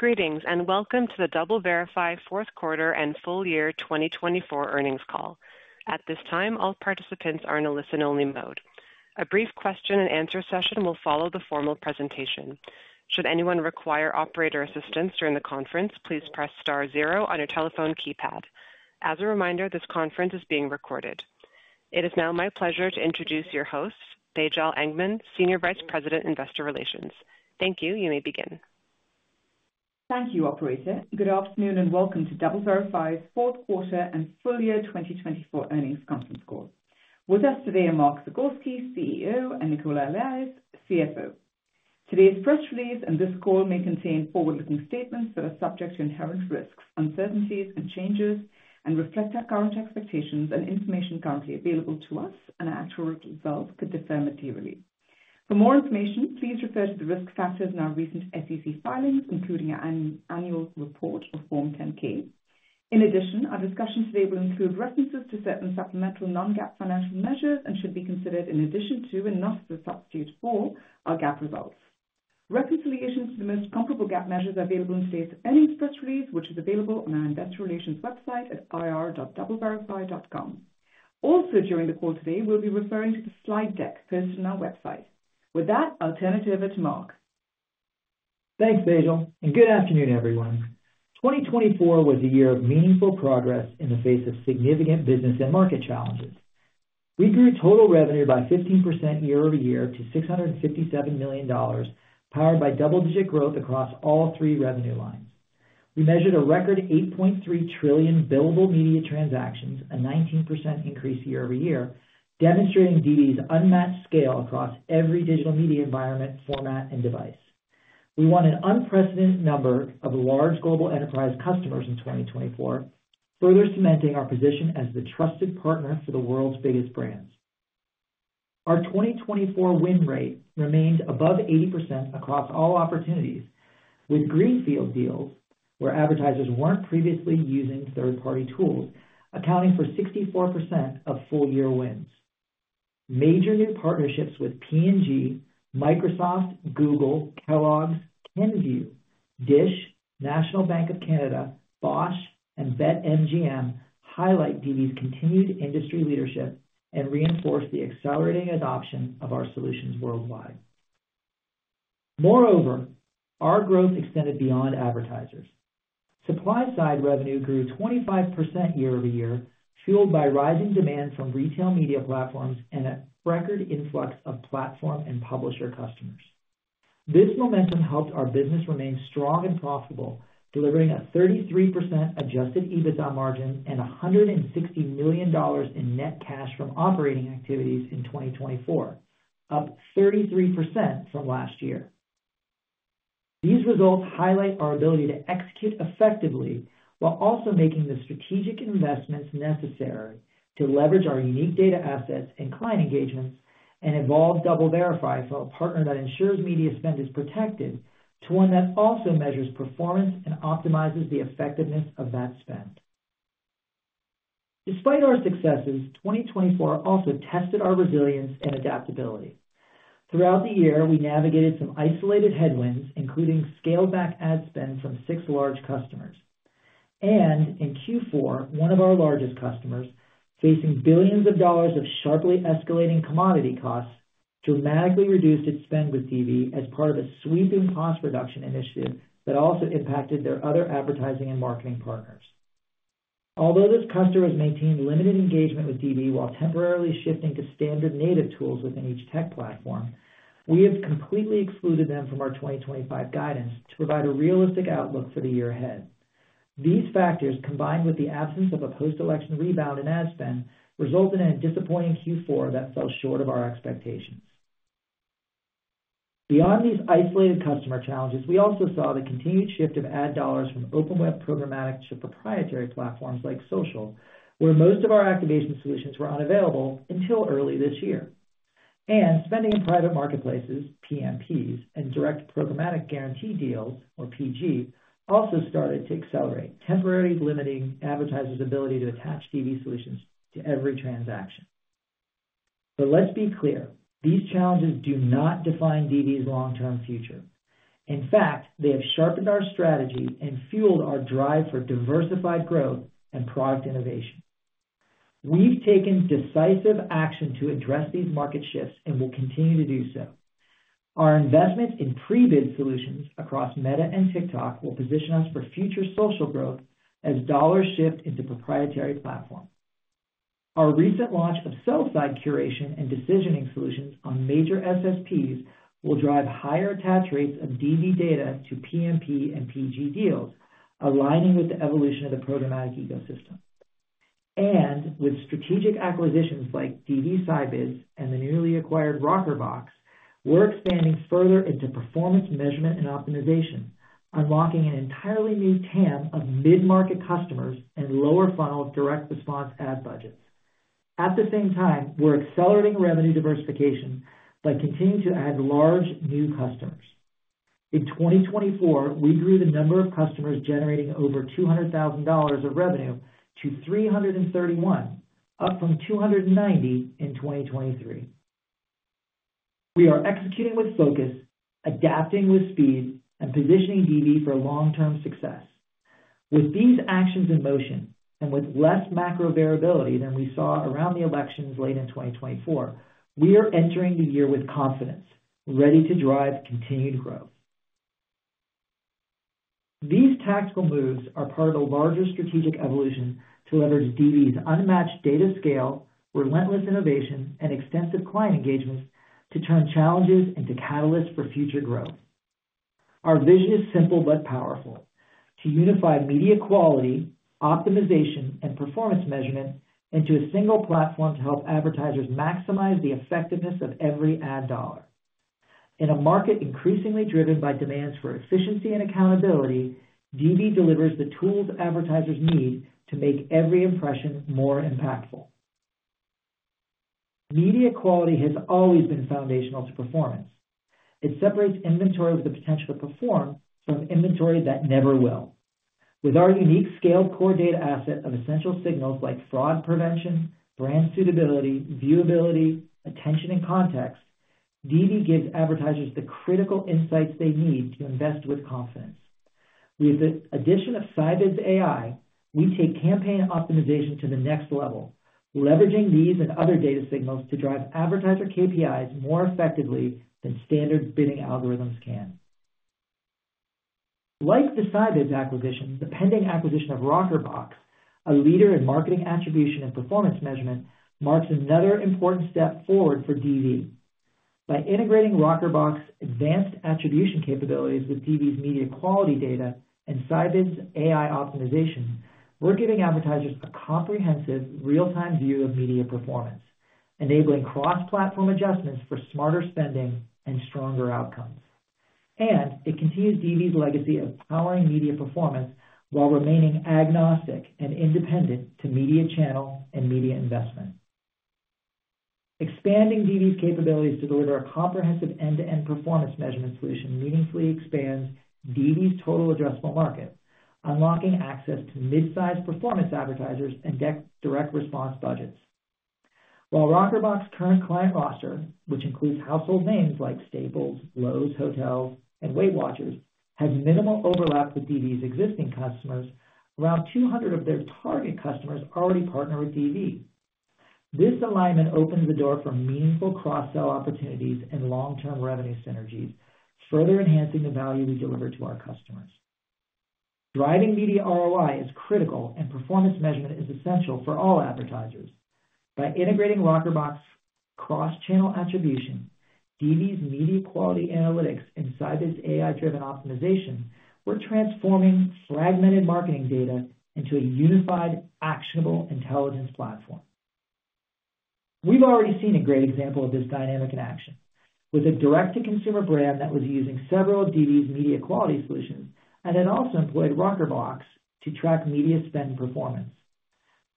Greetings and welcome to the DoubleVerify Q4 and FY 2024 earnings call. At this time, all participants are in a listen-only mode. A brief question-and-answer session will follow the formal presentation. Should anyone require operator assistance during the conference, please press star zero on your telephone keypad. As a reminder, this conference is being recorded. It is now my pleasure to introduce your host, Tejal Engman, Senior Vice President, Investor Relations. Thank you. You may begin. Thank you, Operator. Good afternoon and welcome to DoubleVerify's Q4 and FY 2024 earnings conference call. With us today are Mark Zagorski, CEO, and Nicola Allais, CFO. Today's press release and this call may contain forward-looking statements that are subject to inherent risks, uncertainties, and changes, and reflect our current expectations and information currently available to us, and our actual results could differ materially. For more information, please refer to the risk factors in our recent SEC filings, including our annual report of Form 10-K. In addition, our discussion today will include references to certain supplemental non-GAAP financial measures and should be considered in addition to and not to substitute for our GAAP results. Reconciliation to the most comparable GAAP measures available in today's earnings press release, which is available on our Investor Relations website at ir.doubleverify.com. Also, during the call today, we'll be referring to the slide deck posted on our website. With that, I'll turn it over to Mark. Thanks, Tejal. And good afternoon, everyone. 2024 was a year of meaningful progress in the face of significant business and market challenges. We grew total revenue by 15% year over year to $657 million, powered by double-digit growth across all three revenue lines. We measured a record 8.3 trillion billable media transactions, a 19% increase year over year, demonstrating DV's unmatched scale across every digital media environment, format, and device. We won an unprecedented number of large global enterprise customers in 2024, further cementing our position as the trusted partner for the world's biggest brands. Our 2024 win rate remained above 80% across all opportunities, with greenfield deals where advertisers weren't previously using third-party tools, accounting for 64% of full-year wins. Major new partnerships with P&G, Microsoft, Google, Kellogg's, Kenvue, DISH, National Bank of Canada, Bosch, and BetMGM highlight DV's continued industry leadership and reinforce the accelerating adoption of our solutions worldwide. Moreover, our growth extended beyond advertisers. Supply-side revenue grew 25% year over year, fueled by rising demand from retail media platforms and a record influx of platform and publisher customers. This momentum helped our business remain strong and profitable, delivering a 33% Adjusted EBITDA margin and $160 million in net cash from operating activities in 2024, up 33% from last year. These results highlight our ability to execute effectively while also making the strategic investments necessary to leverage our unique data assets and client engagements and evolve DoubleVerify from a partner that ensures media spend is protected to one that also measures performance and optimizes the effectiveness of that spend. Despite our successes, 2024 also tested our resilience and adaptability. Throughout the year, we navigated some isolated headwinds, including scaled-back ad spend from six large customers, and in Q4, one of our largest customers, facing billions of dollars of sharply escalating commodity costs, dramatically reduced its spend with DV as part of a sweeping cost reduction initiative that also impacted their other advertising and marketing partners. Although this customer has maintained limited engagement with DV while temporarily shifting to standard native tools within each tech platform, we have completely excluded them from our 2025 guidance to provide a realistic outlook for the year ahead. These factors, combined with the absence of a post-election rebound in ad spend, resulted in a disappointing Q4 that fell short of our expectations. Beyond these isolated customer challenges, we also saw the continued shift of ad dollars from open-web programmatic to proprietary platforms like social, where most of our activation solutions were unavailable until early this year, and spending in private marketplaces, PMPs, and direct programmatic guarantee deals, or PG, also started to accelerate, temporarily limiting advertisers' ability to attach DV solutions to every transaction, but let's be clear: these challenges do not define DV's long-term future. In fact, they have sharpened our strategy and fueled our drive for diversified growth and product innovation. We've taken decisive action to address these market shifts and will continue to do so. Our investments in pre-bid solutions across Meta and TikTok will position us for future social growth as dollars shift into proprietary platforms. Our recent launch of sell-side curation and decisioning solutions on major SSPs will drive higher attach rates of DV data to PMP and PG deals, aligning with the evolution of the programmatic ecosystem. And with strategic acquisitions like DV Scibids and the newly acquired Rockerbox, we're expanding further into performance measurement and optimization, unlocking an entirely new TAM of mid-market customers and lower-funnel direct response ad budgets. At the same time, we're accelerating revenue diversification by continuing to add large new customers. In 2024, we grew the number of customers generating over $200,000 of revenue to 331, up from 290 in 2023. We are executing with focus, adapting with speed, and positioning DV for long-term success. With these actions in motion and with less macro variability than we saw around the elections late in 2024, we are entering the year with confidence, ready to drive continued growth. These tactical moves are part of a larger strategic evolution to leverage DV's unmatched data scale, relentless innovation, and extensive client engagements to turn challenges into catalysts for future growth. Our vision is simple but powerful: to unify media quality, optimization, and performance measurement into a single platform to help advertisers maximize the effectiveness of every ad dollar. In a market increasingly driven by demands for efficiency and accountability, DV delivers the tools advertisers need to make every impression more impactful. Media quality has always been foundational to performance. It separates inventory with the potential to perform from inventory that never will. With our unique scaled core data asset of essential signals like fraud prevention, brand suitability, viewability, attention, and context, DV gives advertisers the critical insights they need to invest with confidence. With the addition of Scibids AI, we take campaign optimization to the next level, leveraging these and other data signals to drive advertiser KPIs more effectively than standard bidding algorithms can. Like the Scibids acquisition, the pending acquisition of Rockerbox, a leader in marketing attribution and performance measurement, marks another important step forward for DV. By integrating Rockerbox's advanced attribution capabilities with DV's media quality data and Scibids AI optimization, we're giving advertisers a comprehensive, real-time view of media performance, enabling cross-platform adjustments for smarter spending and stronger outcomes. And it continues DV's legacy of powering media performance while remaining agnostic and independent to media channel and media investment. Expanding DV's capabilities to deliver a comprehensive end-to-end performance measurement solution meaningfully expands DV's total addressable market, unlocking access to midsize performance advertisers and direct response budgets. While Rockerbox's current client roster, which includes household names like Staples, Lowe's, Hotels, and WeightWatchers, has minimal overlap with DV's existing customers, around 200 of their target customers already partner with DV. This alignment opens the door for meaningful cross-sell opportunities and long-term revenue synergies, further enhancing the value we deliver to our customers. Driving media ROI is critical, and performance measurement is essential for all advertisers. By integrating Rockerbox's cross-channel attribution, DV's media quality analytics, and Scibids AI-driven optimization, we're transforming fragmented marketing data into a unified, actionable intelligence platform. We've already seen a great example of this dynamic in action, with a direct-to-consumer brand that was using several of DV's media quality solutions, and then also employed Rockerbox to track media spend performance.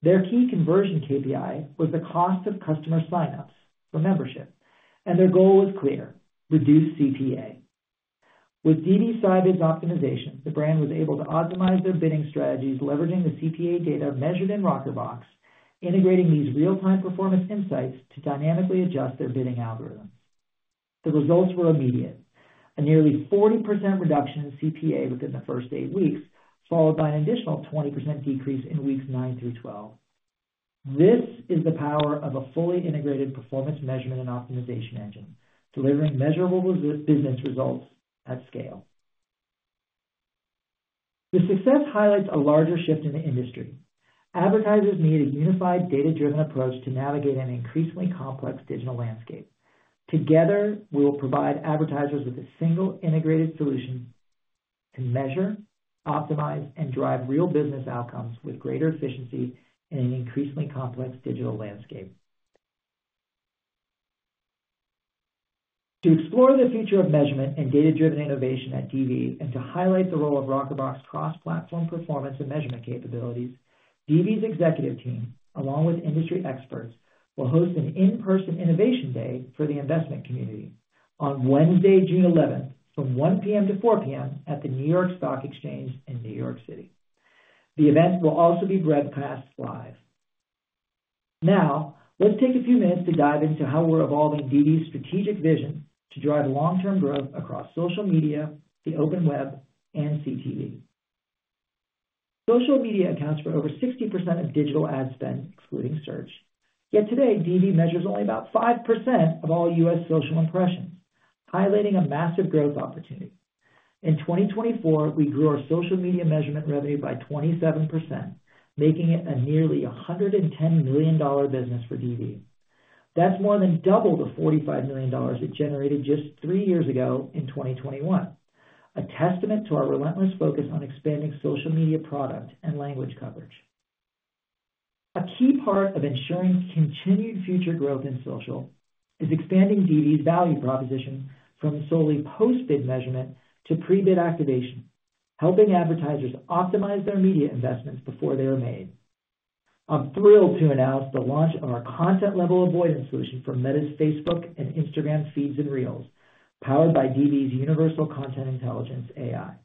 Their key conversion KPI was the cost of customer sign-ups for membership, and their goal was clear: reduce CPA. With DV Scibids optimization, the brand was able to optimize their bidding strategies, leveraging the CPA data measured in Rockerbox, integrating these real-time performance insights to dynamically adjust their bidding algorithms. The results were immediate: a nearly 40% reduction in CPA within the first eight weeks, followed by an additional 20% decrease in weeks nine through 12. This is the power of a fully integrated performance measurement and optimization engine, delivering measurable business results at scale. The success highlights a larger shift in the industry. Advertisers need a unified, data-driven approach to navigate an increasingly complex digital landscape. Together, we will provide advertisers with a single integrated solution to measure, optimize, and drive real business outcomes with greater efficiency in an increasingly complex digital landscape. To explore the future of measurement and data-driven innovation at DV, and to highlight the role of Rockerbox's cross-platform performance and measurement capabilities, DV's executive team, along with industry experts, will host an in-person innovation day for the investment community on Wednesday, June 11th, from 1:00 P.M. to 4:00 P.M. at the New York Stock Exchange in New York City. The event will also be broadcast live. Now, let's take a few minutes to dive into how we're evolving DV's strategic vision to drive long-term growth across social media, the open web, and CTV. Social media accounts for over 60% of digital ad spend, excluding search. Yet today, DV measures only about 5% of all U.S. social impressions, highlighting a massive growth opportunity. In 2024, we grew our social media measurement revenue by 27%, making it a nearly $110 million business for DV. That's more than double the $45 million it generated just three years ago in 2021, a testament to our relentless focus on expanding social media product and language coverage. A key part of ensuring continued future growth in social is expanding DV's value proposition from solely post-bid measurement to pre-bid activation, helping advertisers optimize their media investments before they are made. I'm thrilled to announce the launch of our content-level avoidance solution for Meta's Facebook and Instagram Feeds and Reels, powered by DV's Universal Content Intelligence AI.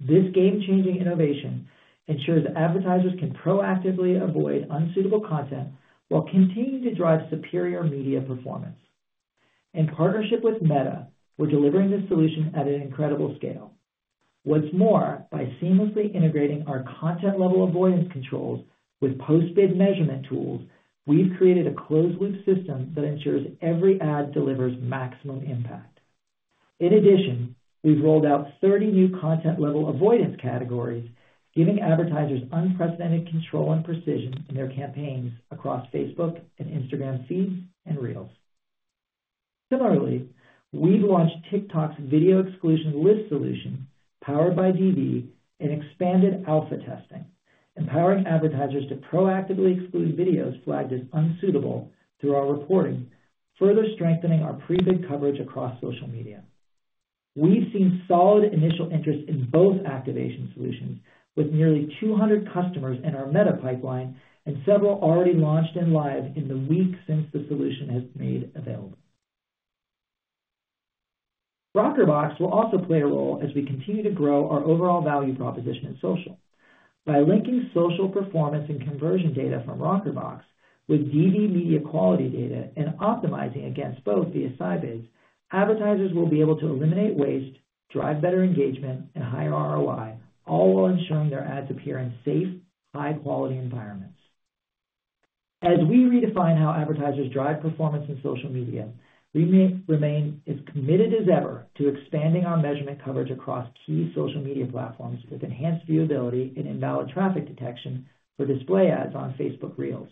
This game-changing innovation ensures advertisers can proactively avoid unsuitable content while continuing to drive superior media performance. In partnership with Meta, we're delivering this solution at an incredible scale. What's more, by seamlessly integrating our content-level avoidance controls with post-bid measurement tools, we've created a closed-loop system that ensures every ad delivers maximum impact. In addition, we've rolled out 30 new content-level avoidance categories, giving advertisers unprecedented control and precision in their campaigns across Facebook and Instagram Feeds and Reels. Similarly, we've launched TikTok's video exclusion list solution, powered by DV, and expanded alpha testing, empowering advertisers to proactively exclude videos flagged as unsuitable through our reporting, further strengthening our pre-bid coverage across social media. We've seen solid initial interest in both activation solutions, with nearly 200 customers in our Meta pipeline and several already launched and live in the week since the solution has been made available. Rockerbox will also play a role as we continue to grow our overall value proposition in social. By linking social performance and conversion data from Rockerbox with DV media quality data and optimizing against both via Scibids, advertisers will be able to eliminate waste, drive better engagement, and higher ROI, all while ensuring their ads appear in safe, high-quality environments. As we redefine how advertisers drive performance in social media, we remain as committed as ever to expanding our measurement coverage across key social media platforms with enhanced viewability and invalid traffic detection for display ads on Facebook Reels.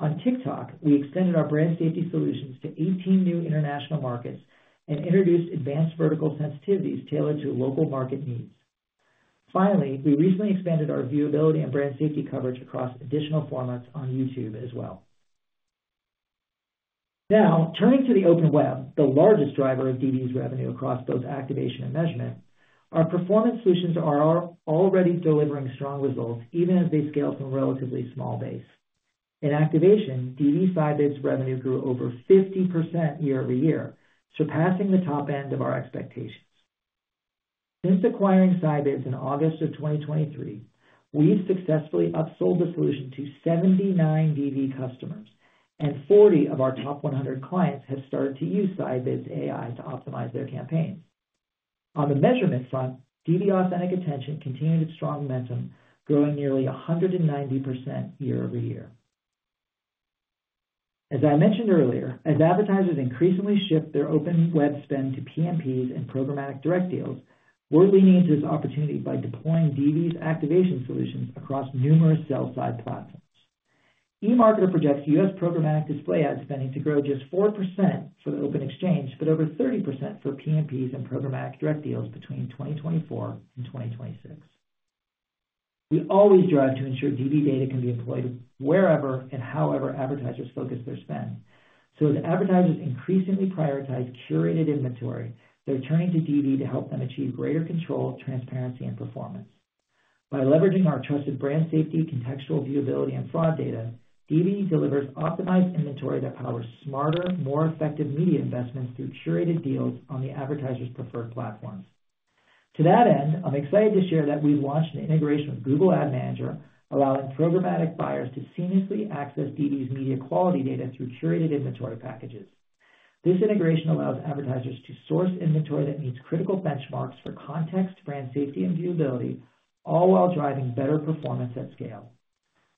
On TikTok, we extended our brand safety solutions to 18 new international markets and introduced advanced vertical sensitivities tailored to local market needs. Finally, we recently expanded our viewability and brand safety coverage across additional formats on YouTube as well. Now, turning to the open web, the largest driver of DV's revenue across both activation and measurement, our performance solutions are already delivering strong results even as they scale from a relatively small base. In activation, DV's Scibids revenue grew over 50% year over year, surpassing the top end of our expectations. Since acquiring Scibids in August of 2023, we've successfully upsold the solution to 79 DV customers, and 40 of our top 100 clients have started to use Scibids AI to optimize their campaigns. On the measurement front, DV Authentic Attention continued its strong momentum, growing nearly 190% year over year. As I mentioned earlier, as advertisers increasingly shift their open web spend to PMPs and programmatic direct deals, we're leaning into this opportunity by deploying DV's activation solutions across numerous sell-side platforms. eMarketer projects U.S. programmatic display ad spending to grow just 4% for the open exchange, but over 30% for PMPs and programmatic direct deals between 2024 and 2026. We always drive to ensure DV data can be employed wherever and however advertisers focus their spend. So, as advertisers increasingly prioritize curated inventory, they're turning to DV to help them achieve greater control, transparency, and performance. By leveraging our trusted brand safety, contextual viewability, and fraud data, DV delivers optimized inventory that powers smarter, more effective media investments through curated deals on the advertisers' preferred platforms. To that end, I'm excited to share that we've launched an integration with Google Ad Manager, allowing programmatic buyers to seamlessly access DV's media quality data through curated inventory packages. This integration allows advertisers to source inventory that meets critical benchmarks for context, brand safety, and viewability, all while driving better performance at scale.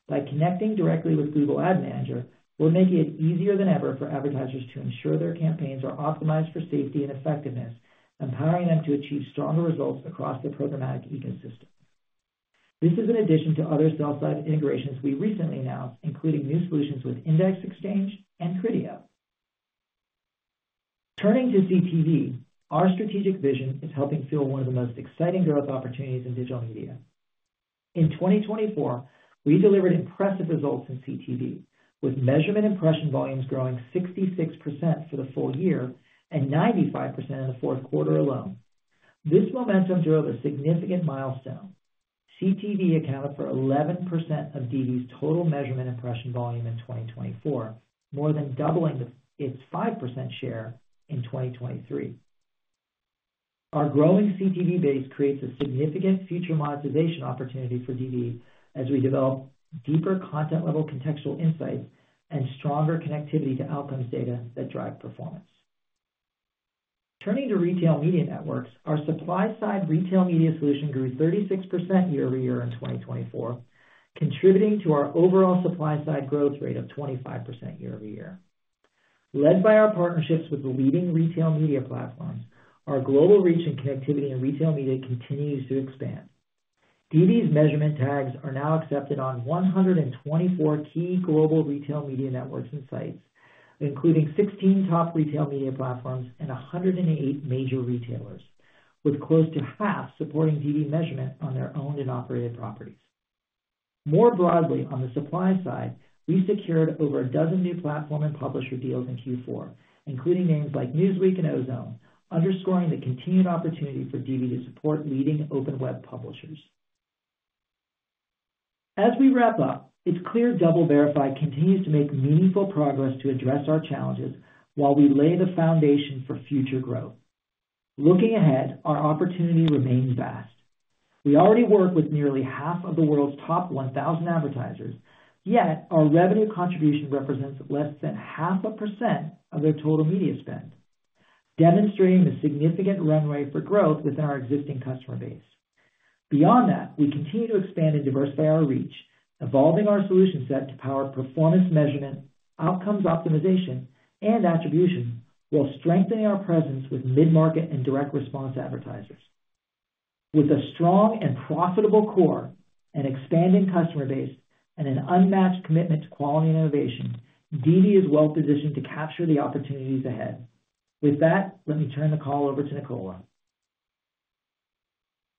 By connecting directly with Google Ad Manager, we're making it easier than ever for advertisers to ensure their campaigns are optimized for safety and effectiveness, empowering them to achieve stronger results across the programmatic ecosystem. This is in addition to other sell-side integrations we recently announced, including new solutions with Index Exchange and Criteo. Turning to CTV, our strategic vision is helping fuel one of the most exciting growth opportunities in digital media. In 2024, we delivered impressive results in CTV, with measurement impression volumes growing 66% for the full year and 95% in the fourth quarter alone. This momentum drove a significant milestone. CTV accounted for 11% of DV's total measurement impression volume in 2024, more than doubling its 5% share in 2023. Our growing CTV base creates a significant future monetization opportunity for DV as we develop deeper content-level contextual insights and stronger connectivity to outcomes data that drive performance. Turning to retail media networks, our supply-side retail media solution grew 36% year over year in 2024, contributing to our overall supply-side growth rate of 25% year over year. Led by our partnerships with the leading retail media platforms, our global reach and connectivity in retail media continues to expand. DV's measurement tags are now accepted on 124 key global retail media networks and sites, including 16 top retail media platforms and 108 major retailers, with close to half supporting DV measurement on their owned and operated properties. More broadly, on the supply side, we secured over a dozen new platform and publisher deals in Q4, including names like Newsweek and Ozone, underscoring the continued opportunity for DV to support leading open web publishers. As we wrap up, it's clear DoubleVerify continues to make meaningful progress to address our challenges while we lay the foundation for future growth. Looking ahead, our opportunity remains vast. We already work with nearly half of the world's top 1,000 advertisers, yet our revenue contribution represents less than 0.5% of their total media spend, demonstrating a significant runway for growth within our existing customer base. Beyond that, we continue to expand and diversify our reach, evolving our solution set to power performance measurement, outcomes optimization, and attribution, while strengthening our presence with mid-market and direct response advertisers. With a strong and profitable core, an expanding customer base, and an unmatched commitment to quality and innovation, DV is well-positioned to capture the opportunities ahead. With that, let me turn the call over to Nicola.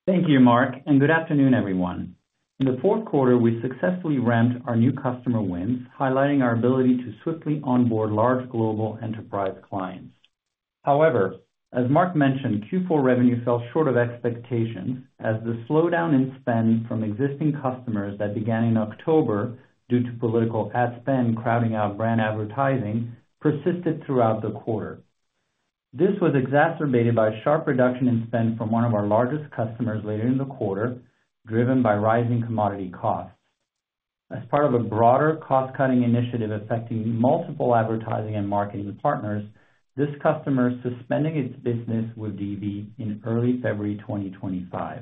Thank you, Mark, and good afternoon, everyone. In the fourth quarter, we successfully ramped our new customer wins, highlighting our ability to swiftly onboard large global enterprise clients. However, as Mark mentioned, Q4 revenue fell short of expectations as the slowdown in spend from existing customers that began in October due to political ad spend crowding out brand advertising persisted throughout the quarter. This was exacerbated by a sharp reduction in spend from one of our largest customers later in the quarter, driven by rising commodity costs. As part of a broader cost-cutting initiative affecting multiple advertising and marketing partners, this customer suspended its business with DV in early February 2025.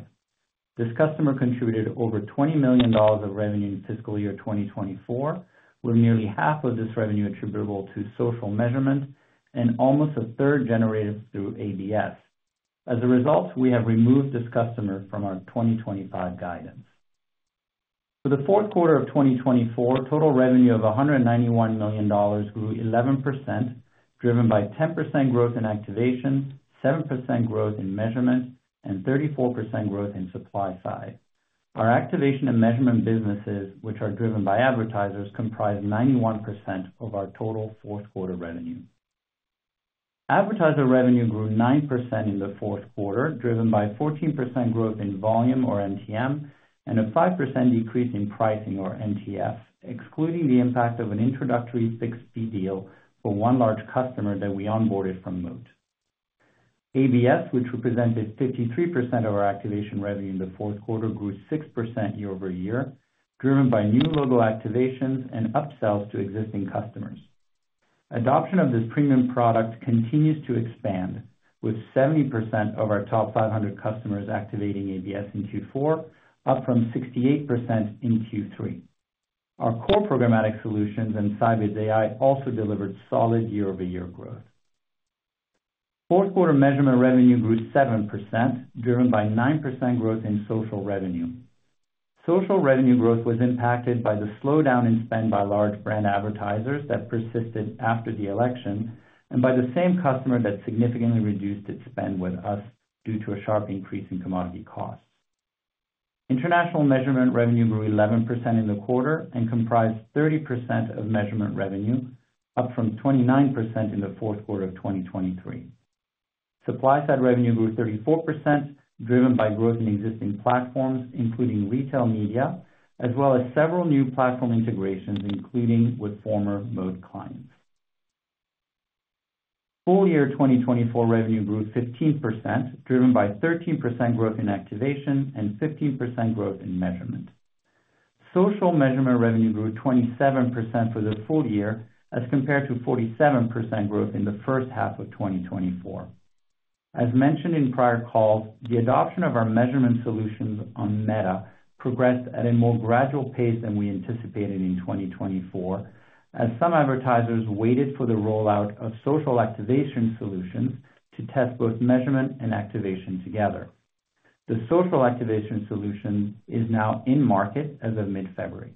This customer contributed over $20 million of revenue in fiscal year 2024, with nearly half of this revenue attributable to social measurement and almost a third generated through ABS. As a result, we have removed this customer from our 2025 guidance. For the fourth quarter of 2024, total revenue of $191 million grew 11%, driven by 10% growth in activation, 7% growth in measurement, and 34% growth in supply side. Our activation and measurement businesses, which are driven by advertisers, comprise 91% of our total fourth quarter revenue. Advertiser revenue grew 9% in the fourth quarter, driven by 14% growth in volume, or MTM, and a 5% decrease in pricing, or MTF, excluding the impact of an introductory fixed fee deal for one large customer that we onboarded from Moat. ABS, which represented 53% of our activation revenue in the fourth quarter, grew 6% year over year, driven by new logo activations and upsells to existing customers. Adoption of this premium product continues to expand, with 70% of our top 500 customers activating ABS in Q4, up from 68% in Q3. Our core programmatic solutions and Scibids AI also delivered solid year-over-year growth. Fourth quarter measurement revenue grew 7%, driven by 9% growth in social revenue. Social revenue growth was impacted by the slowdown in spend by large brand advertisers that persisted after the election and by the same customer that significantly reduced its spend with us due to a sharp increase in commodity costs. International measurement revenue grew 11% in the quarter and comprised 30% of measurement revenue, up from 29% in the fourth quarter of 2023. Supply-side revenue grew 34%, driven by growth in existing platforms, including retail media, as well as several new platform integrations, including with former Moat clients. Full year 2024 revenue grew 15%, driven by 13% growth in activation and 15% growth in measurement. Social measurement revenue grew 27% for the full year as compared to 47% growth in the first half of 2024. As mentioned in prior calls, the adoption of our measurement solutions on Meta progressed at a more gradual pace than we anticipated in 2024, as some advertisers waited for the rollout of social activation solutions to test both measurement and activation together. The social activation solution is now in market as of mid-February.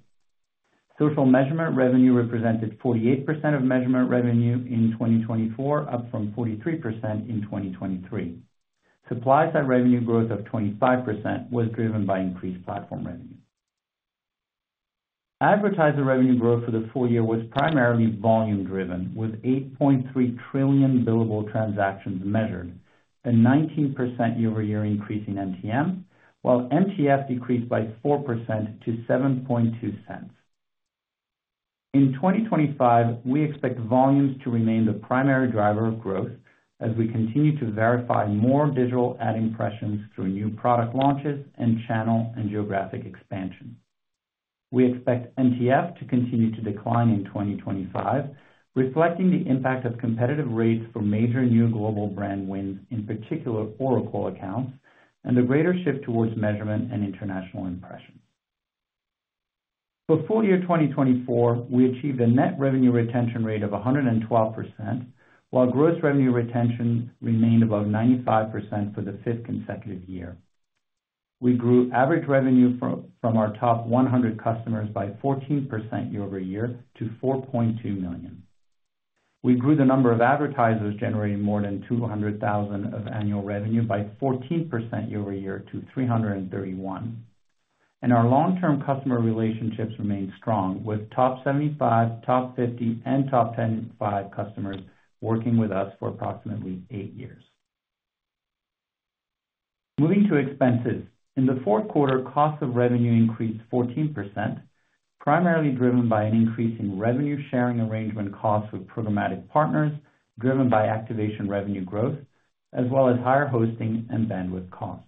Social measurement revenue represented 48% of measurement revenue in 2024, up from 43% in 2023. Supply-side revenue growth of 25% was driven by increased platform revenue. Advertiser revenue growth for the full year was primarily volume-driven, with 8.3 trillion billable transactions measured, a 19% year-over-year increase in MTM, while MTF decreased by 4% to $0.072. In 2025, we expect volumes to remain the primary driver of growth as we continue to verify more digital ad impressions through new product launches and channel and geographic expansion. We expect MTF to continue to decline in 2025, reflecting the impact of competitive rates for major new global brand wins, in particular Oracle accounts, and the greater shift towards measurement and international impression. For full year 2024, we achieved a net revenue retention rate of 112%, while gross revenue retention remained above 95% for the fifth consecutive year. We grew average revenue from our top 100 customers by 14% year over year to $4.2 million. We grew the number of advertisers generating more than 200,000 of annual revenue by 14% year over year to 331. And our long-term customer relationships remained strong, with top 75, top 50, and top 105 customers working with us for approximately eight years. Moving to expenses, in the fourth quarter, costs of revenue increased 14%, primarily driven by an increase in revenue sharing arrangement costs with programmatic partners, driven by activation revenue growth, as well as higher hosting and bandwidth costs.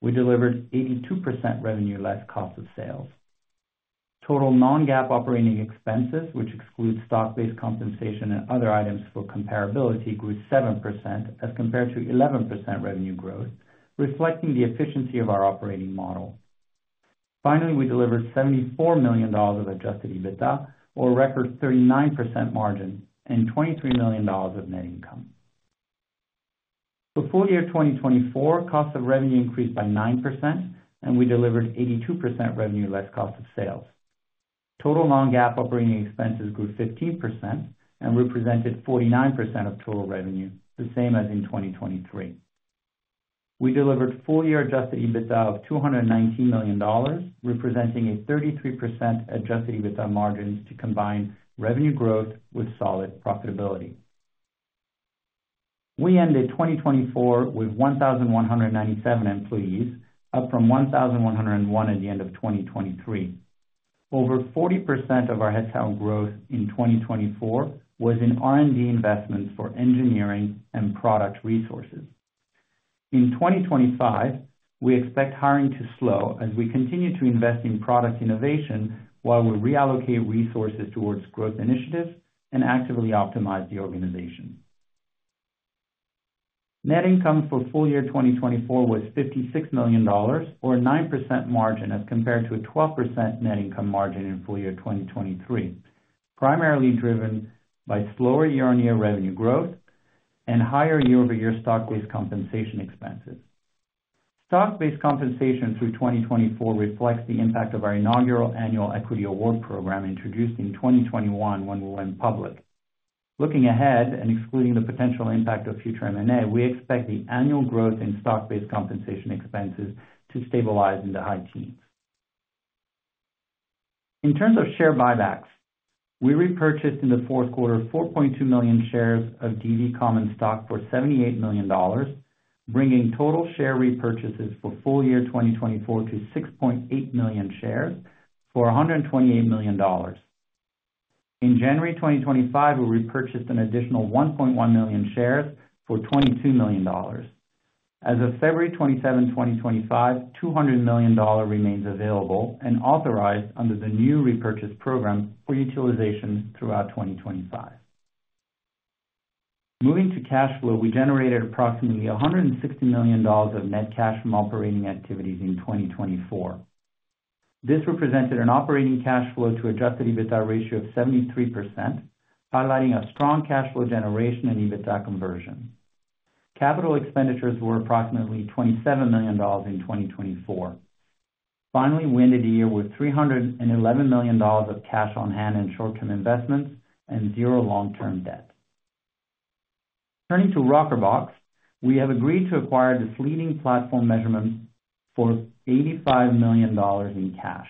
We delivered 82% revenue less cost of sales. Total non-GAAP operating expenses, which excludes stock-based compensation and other items for comparability, grew 7% as compared to 11% revenue growth, reflecting the efficiency of our operating model. Finally, we delivered $74 million of Adjusted EBITDA, or a record 39% margin, and $23 million of net income. For full year 2024, costs of revenue increased by 9%, and we delivered 82% revenue less cost of sales. Total Non-GAAP operating expenses grew 15% and represented 49% of total revenue, the same as in 2023. We delivered full year Adjusted EBITDA of $219 million, representing a 33% Adjusted EBITDA margin to combine revenue growth with solid profitability. We ended 2024 with 1,197 employees, up from 1,101 at the end of 2023. Over 40% of our headcount growth in 2024 was in R&D investments for engineering and product resources. In 2025, we expect hiring to slow as we continue to invest in product innovation while we reallocate resources towards growth initiatives and actively optimize the organization. Net income for full year 2024 was $56 million, or a 9% margin as compared to a 12% net income margin in full year 2023, primarily driven by slower year-on-year revenue growth and higher year-over-year stock-based compensation expenses. Stock-based compensation through 2024 reflects the impact of our inaugural annual equity award program introduced in 2021 when we went public. Looking ahead and excluding the potential impact of future M&A, we expect the annual growth in stock-based compensation expenses to stabilize in the high teens. In terms of share buybacks, we repurchased in the fourth quarter 4.2 million shares of DV Common Stock for $78 million, bringing total share repurchases for full year 2024 to 6.8 million shares for $128 million. In January 2025, we repurchased an additional 1.1 million shares for $22 million. As of February 27, 2025, $200 million remains available and authorized under the new repurchase program for utilization throughout 2025. Moving to cash flow, we generated approximately $160 million of net cash from operating activities in 2024. This represented an operating cash flow to adjusted EBITDA ratio of 73%, highlighting a strong cash flow generation and EBITDA conversion. Capital expenditures were approximately $27 million in 2024. Finally, we ended the year with $311 million of cash on hand and short-term investments and zero long-term debt. Turning to Rockerbox, we have agreed to acquire this leading platform measurement for $85 million in cash.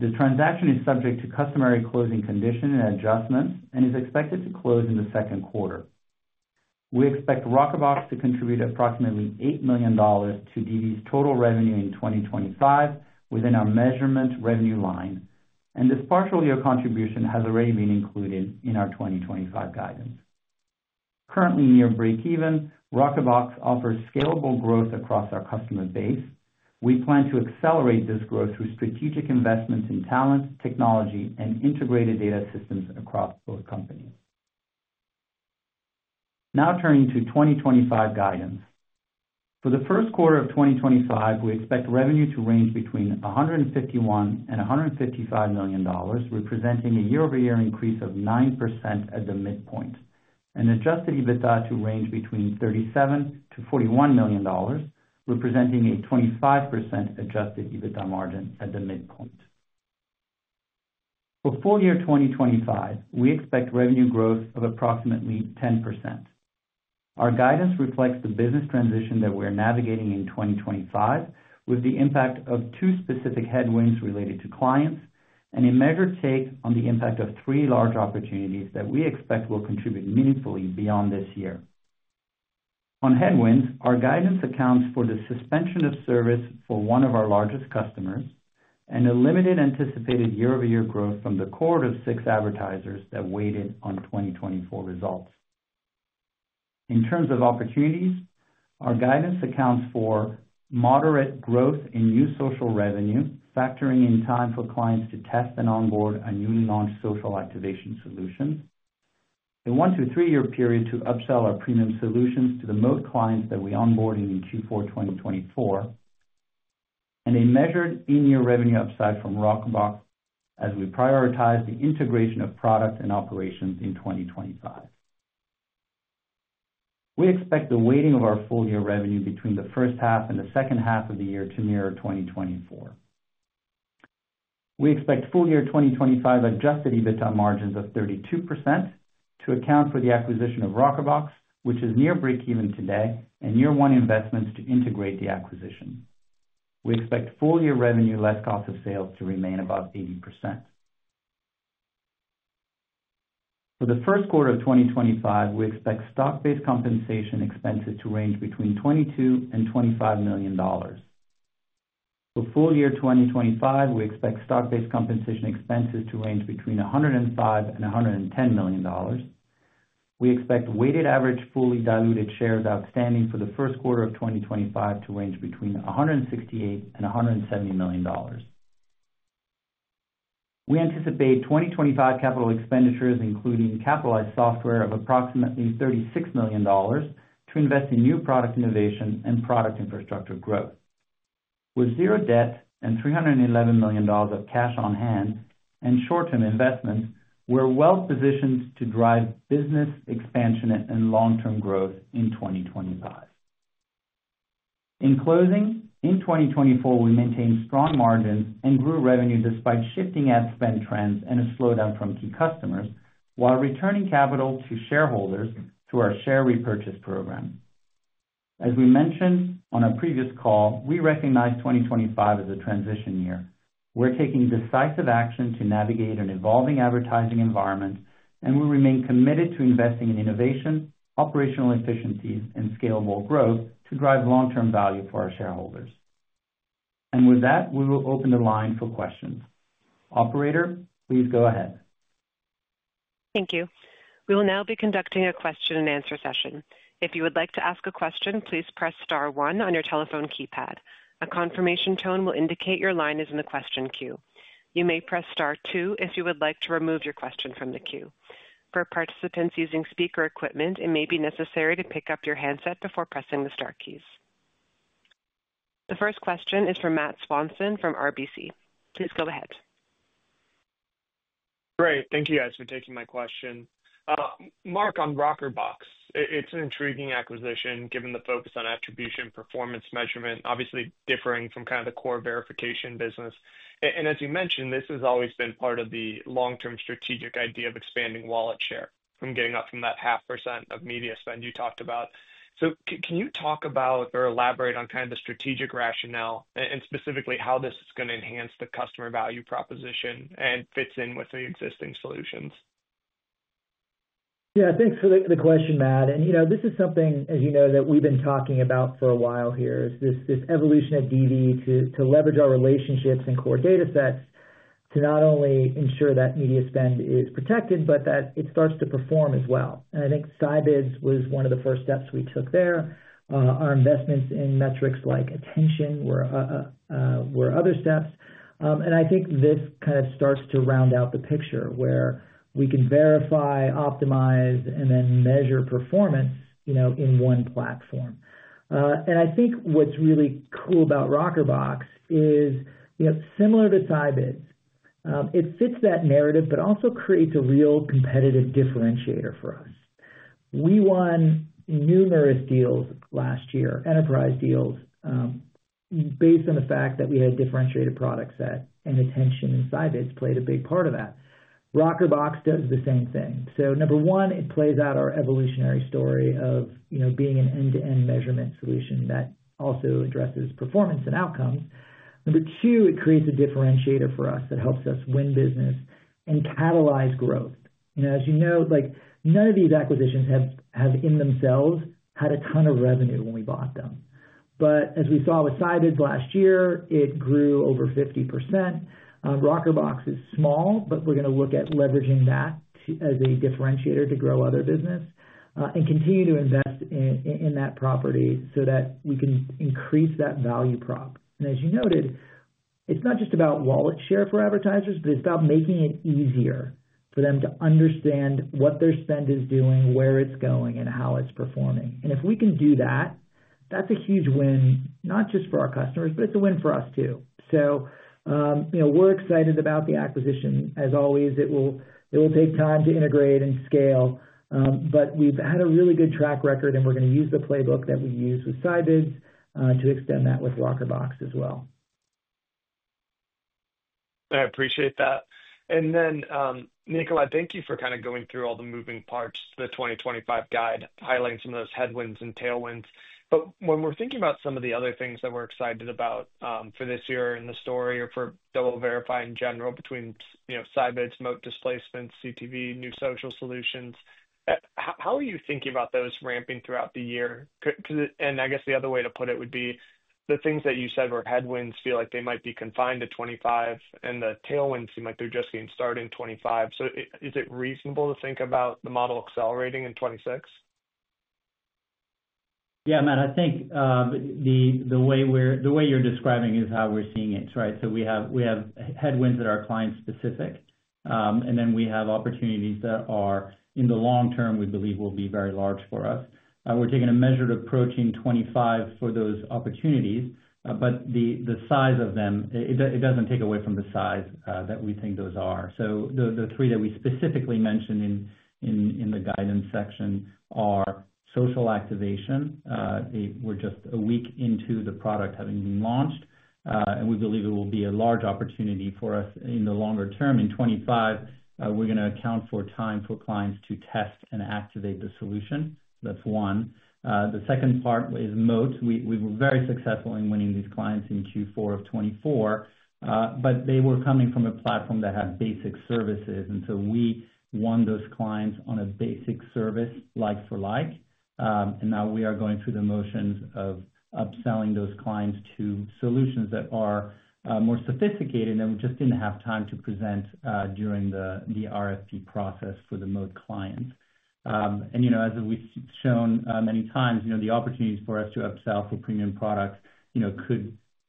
The transaction is subject to customary closing conditions and adjustments and is expected to close in the second quarter. We expect Rockerbox to contribute approximately $8 million to DV's total revenue in 2025 within our measurement revenue line, and this partial year contribution has already been included in our 2025 guidance. Currently near breakeven, Rockerbox offers scalable growth across our customer base. We plan to accelerate this growth through strategic investments in talent, technology, and integrated data systems across both companies. Now turning to 2025 guidance. For the first quarter of 2025, we expect revenue to range between $151-$155 million, representing a year-over-year increase of 9% at the midpoint, and adjusted EBITDA to range between $37-$41 million, representing a 25% adjusted EBITDA margin at the midpoint. For full year 2025, we expect revenue growth of approximately 10%. Our guidance reflects the business transition that we are navigating in 2025, with the impact of two specific headwinds related to clients and a measured take on the impact of three large opportunities that we expect will contribute meaningfully beyond this year. On headwinds, our guidance accounts for the suspension of service for one of our largest customers and a limited anticipated year-over-year growth from the core of six advertisers that waited on 2024 results. In terms of opportunities, our guidance accounts for moderate growth in new social revenue, factoring in time for clients to test and onboard our newly launched social activation solutions, a one to three-year period to upsell our premium solutions to the Moat clients that we onboarded in Q4 2024, and a measured in-year revenue upside from Rockerbox as we prioritize the integration of product and operations in 2025. We expect the weighting of our full-year revenue between the first half and the second half of the year to mirror 2024. We expect full-year 2025 Adjusted EBITDA margins of 32% to account for the acquisition of Rockerbox, which is near breakeven today, and year-one investments to integrate the acquisition. We expect full-year revenue less cost of sales to remain above 80%. For the first quarter of 2025, we expect stock-based compensation expenses to range between $22 and $25 million. For full-year 2025, we expect stock-based compensation expenses to range between $105 and $110 million. We expect weighted average fully diluted shares outstanding for the first quarter of 2025 to range between 168 million-170 million. We anticipate 2025 capital expenditures, including capitalized software, of approximately $36 million to invest in new product innovation and product infrastructure growth. With zero debt and $311 million of cash on hand and short-term investments, we're well positioned to drive business expansion and long-term growth in 2025. In closing, in 2024, we maintained strong margins and grew revenue despite shifting ad spend trends and a slowdown from key customers, while returning capital to shareholders through our share repurchase program. As we mentioned on a previous call, we recognize 2025 as a transition year. We're taking decisive action to navigate an evolving advertising environment, and we remain committed to investing in innovation, operational efficiencies, and scalable growth to drive long-term value for our shareholders. And with that, we will open the line for questions. Operator, please go ahead. Thank you. We will now be conducting a question-and-answer session. If you would like to ask a question, please press Star 1 on your telephone keypad. A confirmation tone will indicate your line is in the question queue. You may press Star 2 if you would like to remove your question from the queue. For participants using speaker equipment, it may be necessary to pick up your handset before pressing the Star keys. The first question is for Matt Swanson from RBC. Please go ahead. Great. Thank you, guys, for taking my question. Mark on Rockerbox, it's an intriguing acquisition given the focus on attribution performance measurement, obviously differing from kind of the core verification business. And as you mentioned, this has always been part of the long-term strategic idea of expanding wallet share from getting up from that 0.5% of media spend you talked about. So can you talk about or elaborate on kind of the strategic rationale and specifically how this is going to enhance the customer value proposition and fits in with the existing solutions? Yeah, thanks for the question, Matt. And you know this is something, as you know, that we've been talking about for a while here, is this evolution of DV to leverage our relationships and core data sets to not only ensure that media spend is protected, but that it starts to perform as well. And I think Scibids was one of the first steps we took there. Our investments in metrics like attention were other steps. And I think this kind of starts to round out the picture where we can verify, optimize, and then measure performance in one platform. And I think what's really cool about Rockerbox is, similar to Scibids, it fits that narrative, but also creates a real competitive differentiator for us. We won numerous deals last year, enterprise deals, based on the fact that we had a differentiated product set, and attention and Scibids played a big part of that. Rockerbox does the same thing. So number one, it plays out our evolutionary story of being an end-to-end measurement solution that also addresses performance and outcomes. Number two, it creates a differentiator for us that helps us win business and catalyze growth. As you know, none of these acquisitions have in themselves had a ton of revenue when we bought them. But as we saw with Scibids last year, it grew over 50%. Rockerbox is small, but we're going to look at leveraging that as a differentiator to grow other business and continue to invest in that property so that we can increase that value prop. As you noted, it's not just about wallet share for advertisers, but it's about making it easier for them to understand what their spend is doing, where it's going, and how it's performing. If we can do that, that's a huge win, not just for our customers, but it's a win for us too. We're excited about the acquisition. As always, it will take time to integrate and scale, but we've had a really good track record, and we're going to use the playbook that we use with Scibids to extend that with Rockerbox as well. I appreciate that. And then, Nicola, thank you for kind of going through all the moving parts, the 2025 guide, highlighting some of those headwinds and tailwinds. But when we're thinking about some of the other things that we're excited about for this year and the story or for DoubleVerify in general between Scibids, Moat displacements, CTV, new social solutions, how are you thinking about those ramping throughout the year? And I guess the other way to put it would be the things that you said were headwinds feel like they might be confined to 2025, and the tailwinds seem like they're just getting started in 2025. So is it reasonable to think about the model accelerating in 2026? Yeah, man, I think the way you're describing is how we're seeing it, right? So we have headwinds that are client-specific, and then we have opportunities that are in the long term, we believe, will be very large for us. We're taking a measured approach in 2025 for those opportunities, but the size of them, it doesn't take away from the size that we think those are. So the three that we specifically mentioned in the guidance section are social activation. We're just a week into the product having been launched, and we believe it will be a large opportunity for us in the longer term. In 2025, we're going to account for time for clients to test and activate the solution. That's one. The second part is Moat. We were very successful in winning these clients in Q4 of 2024, but they were coming from a platform that had basic services. And so we won those clients on a basic service like-for-like. And now we are going through the motions of upselling those clients to solutions that are more sophisticated than we just didn't have time to present during the RFP process for the Moat clients. And as we've shown many times, the opportunities for us to upsell for premium products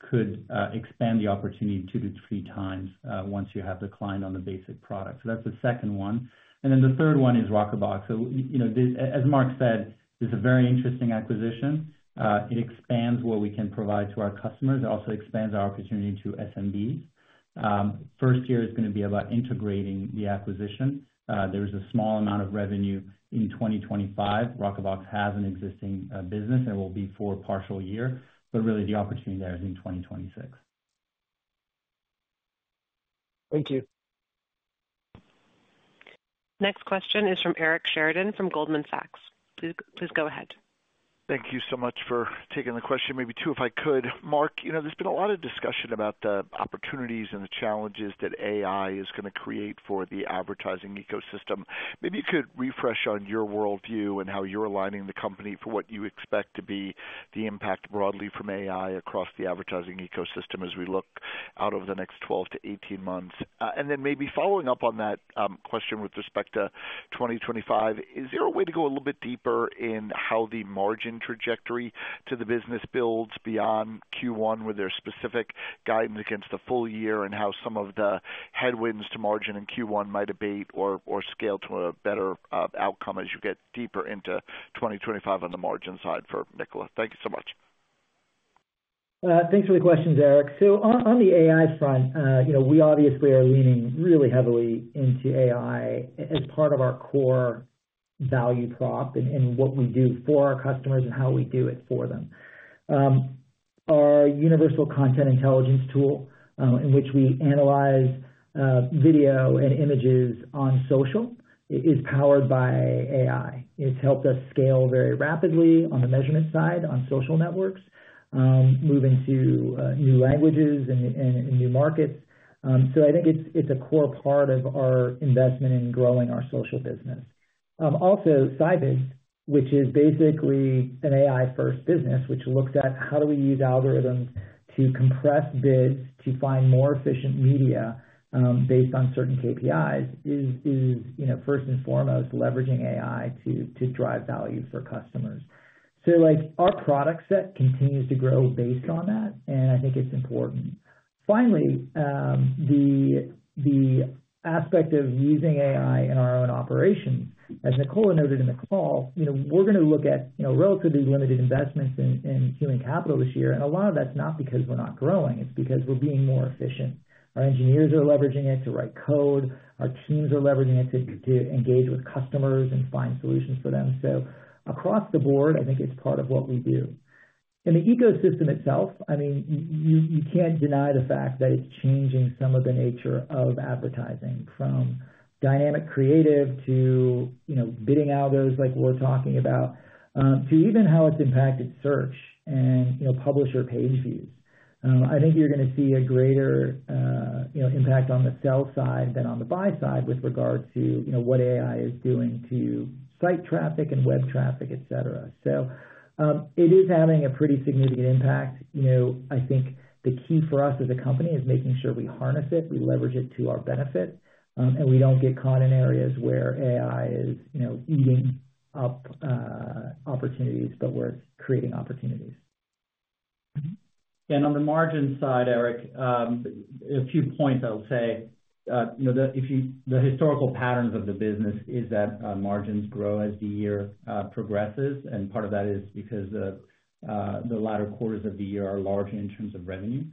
could expand the opportunity two to three times once you have the client on the basic product. So that's the second one. And then the third one is Rockerbox. So as Mark said, this is a very interesting acquisition. It expands what we can provide to our customers. It also expands our opportunity to SMBs. First year is going to be about integrating the acquisition. There is a small amount of revenue in 2025. Rockerbox has an existing business. It will be for a partial year, but really the opportunity there is in 2026. Thank you. Next question is from Eric Sheridan from Goldman Sachs. Please go ahead. Thank you so much for taking the question. Maybe two, if I could. Mark, there's been a lot of discussion about the opportunities and the challenges that AI is going to create for the advertising ecosystem. Maybe you could refresh on your worldview and how you're aligning the company for what you expect to be the impact broadly from AI across the advertising ecosystem as we look out over the next 12-18 months. And then maybe following up on that question with respect to 2025, is there a way to go a little bit deeper in how the margin trajectory to the business builds beyond Q1 with their specific guidance against the full year and how some of the headwinds to margin in Q1 might abate or scale to a better outcome as you get deeper into 2025 on the margin side for Nicola? Thank you so much. Thanks for the questions, Eric. So on the AI front, we obviously are leaning really heavily into AI as part of our core value prop and what we do for our customers and how we do it for them. Our Universal Content Intelligence tool in which we analyze video and images on social is powered by AI. It's helped us scale very rapidly on the measurement side on social networks, moving to new languages and new markets. So I think it's a core part of our investment in growing our social business. Also, Scibids, which is basically an AI-first business, which looks at how do we use algorithms to compress bids to find more efficient media based on certain KPIs, is first and foremost leveraging AI to drive value for customers. So our product set continues to grow based on that, and I think it's important. Finally, the aspect of using AI in our own operations, as Nicola noted in the call, we're going to look at relatively limited investments in human capital this year. And a lot of that's not because we're not growing. It's because we're being more efficient. Our engineers are leveraging it to write code. Our teams are leveraging it to engage with customers and find solutions for them. So across the board, I think it's part of what we do. In the ecosystem itself, I mean, you can't deny the fact that it's changing some of the nature of advertising from dynamic creative to bidding algos like we're talking about, to even how it's impacted search and publisher page views. I think you're going to see a greater impact on the sell-side than on the buy-side with regard to what AI is doing to site traffic and web traffic, etc. So it is having a pretty significant impact. I think the key for us as a company is making sure we harness it, we leverage it to our benefit, and we don't get caught in areas where AI is eating up opportunities, but we're creating opportunities. On the margin side, Eric, a few points I'll say. The historical patterns of the business is that margins grow as the year progresses. Part of that is because the latter quarters of the year are larger in terms of revenue.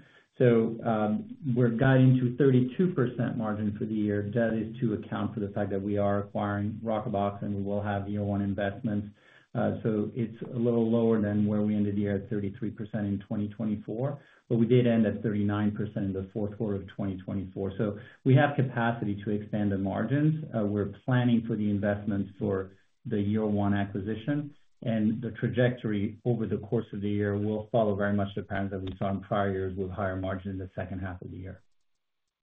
We're guiding to a 32% margin for the year. That is to account for the fact that we are acquiring Rockerbox and we will have year-one investments. It's a little lower than where we ended the year at 33% in 2024, but we did end at 39% in the fourth quarter of 2024. We have capacity to expand the margins. We're planning for the investments for the year-one acquisition. The trajectory over the course of the year will follow very much the patterns that we saw in prior years with higher margins in the second half of the year.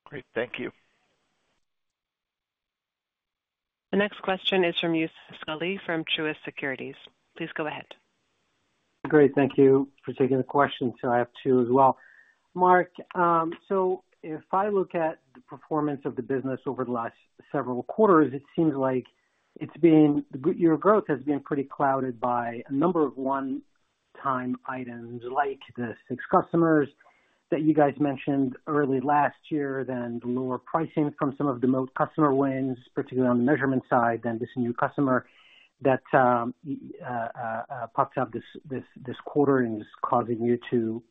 Great. Thank you. The next question is from Youssef Squali from Truist Securities. Please go ahead. Great. Thank you for taking the question. So I have two as well. Mark, so if I look at the performance of the business over the last several quarters, it seems like your growth has been pretty clouded by a number of one-time items like the six customers that you guys mentioned early last year, then the lower pricing from some of the Moat customer wins, particularly on the measurement side, then this new customer that pops up this quarter and is causing you to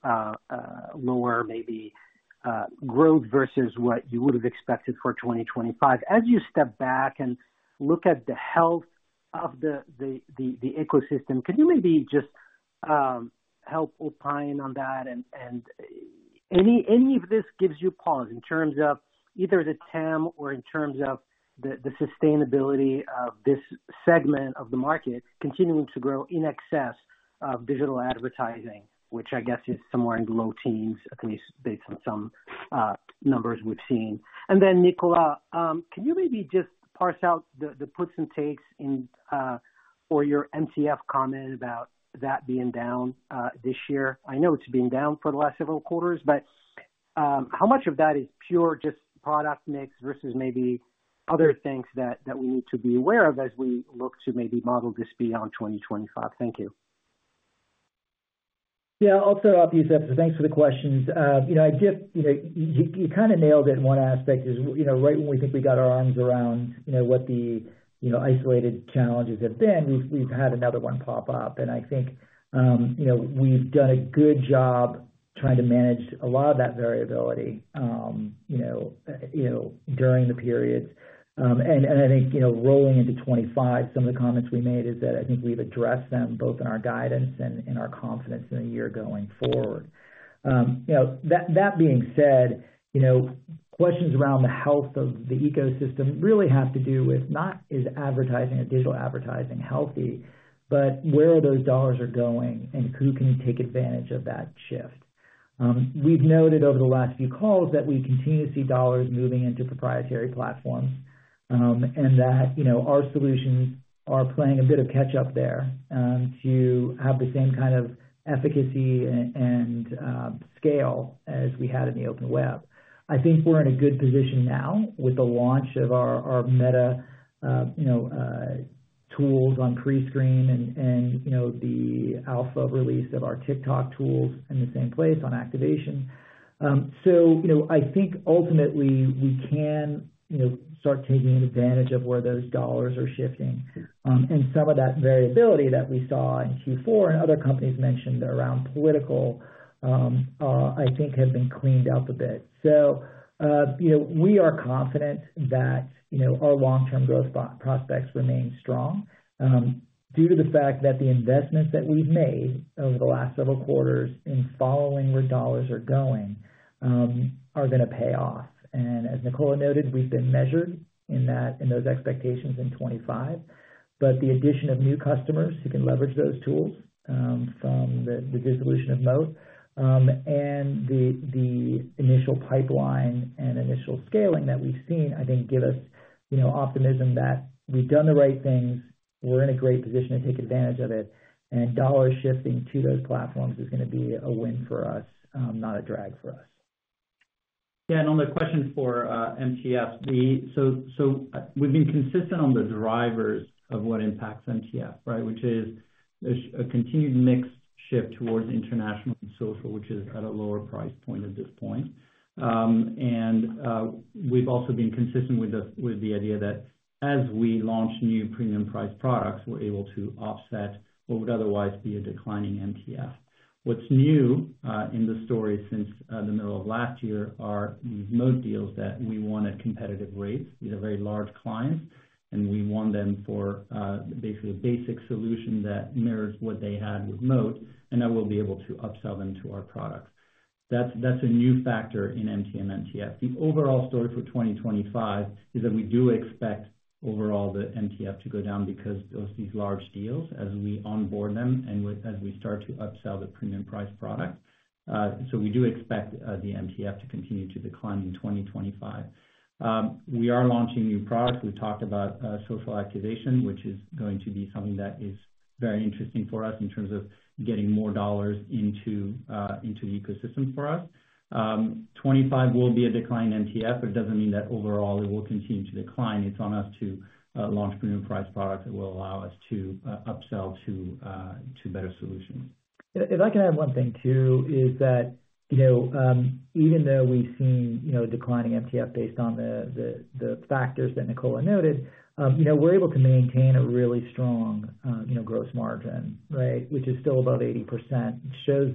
lower maybe growth versus what you would have expected for 2025. As you step back and look at the health of the ecosystem, can you maybe just help opine on that? Any of this gives you pause in terms of either the TAM or in terms of the sustainability of this segment of the market continuing to grow in excess of digital advertising, which I guess is somewhere in the low teens, at least based on some numbers we've seen. And then, Nicola, can you maybe just parse out the puts and takes or your MTF comment about that being down this year? I know it's been down for the last several quarters, but how much of that is pure just product mix versus maybe other things that we need to be aware of as we look to maybe model this beyond 2025? Thank you. Yeah. I'll fill you in, Youssef. So thanks for the questions. I guess you kind of nailed it in one aspect is right when we think we got our arms around what the isolated challenges have been, we've had another one pop up, and I think we've done a good job trying to manage a lot of that variability during the periods, and I think rolling into 2025, some of the comments we made is that I think we've addressed them both in our guidance and in our confidence in the year going forward. That being said, questions around the health of the ecosystem really have to do with not is advertising or digital advertising healthy, but where are those dollars going and who can take advantage of that shift? We've noted over the last few calls that we continue to see dollars moving into proprietary platforms and that our solutions are playing a bit of catch-up there to have the same kind of efficacy and scale as we had in the Open Web. I think we're in a good position now with the launch of our Meta tools on pre-bid and the alpha release of our TikTok tools in the same place on activation. So I think ultimately we can start taking advantage of where those dollars are shifting. And some of that variability that we saw in Q4 and other companies mentioned around political, I think, have been cleaned up a bit. We are confident that our long-term growth prospects remain strong due to the fact that the investments that we've made over the last several quarters in following where dollars are going are going to pay off. And as Nicola noted, we've been measured in those expectations in 2025, but the addition of new customers who can leverage those tools from the dissolution of Moat and the initial pipeline and initial scaling that we've seen, I think, give us optimism that we've done the right things. We're in a great position to take advantage of it. And dollars shifting to those platforms is going to be a win for us, not a drag for us. Yeah. On the question for MTF, so we've been consistent on the drivers of what impacts MTF, right, which is a continued mix shift towards international and social, which is at a lower price point at this point. And we've also been consistent with the idea that as we launch new premium-priced products, we're able to offset what would otherwise be a declining MTF. What's new in the story since the middle of last year are these Moat deals that we won at competitive rates. These are very large clients, and we want them for basically a basic solution that mirrors what they had with Moat, and that we'll be able to upsell them to our products. That's a new factor in MTF. The overall story for 2025 is that we do expect overall the MTF to go down because of these large deals as we onboard them and as we start to upsell the premium-priced products. So we do expect the MTF to continue to decline in 2025. We are launching new products. We've talked about social activation, which is going to be something that is very interesting for us in terms of getting more dollars into the ecosystem for us. 2025 will be a declining MTF, but it doesn't mean that overall it will continue to decline. It's on us to launch premium-priced products that will allow us to upsell to better solutions. If I can add one thing too, is that even though we've seen declining MTF based on the factors that Nicola noted, we're able to maintain a really strong gross margin, right, which is still above 80%. It shows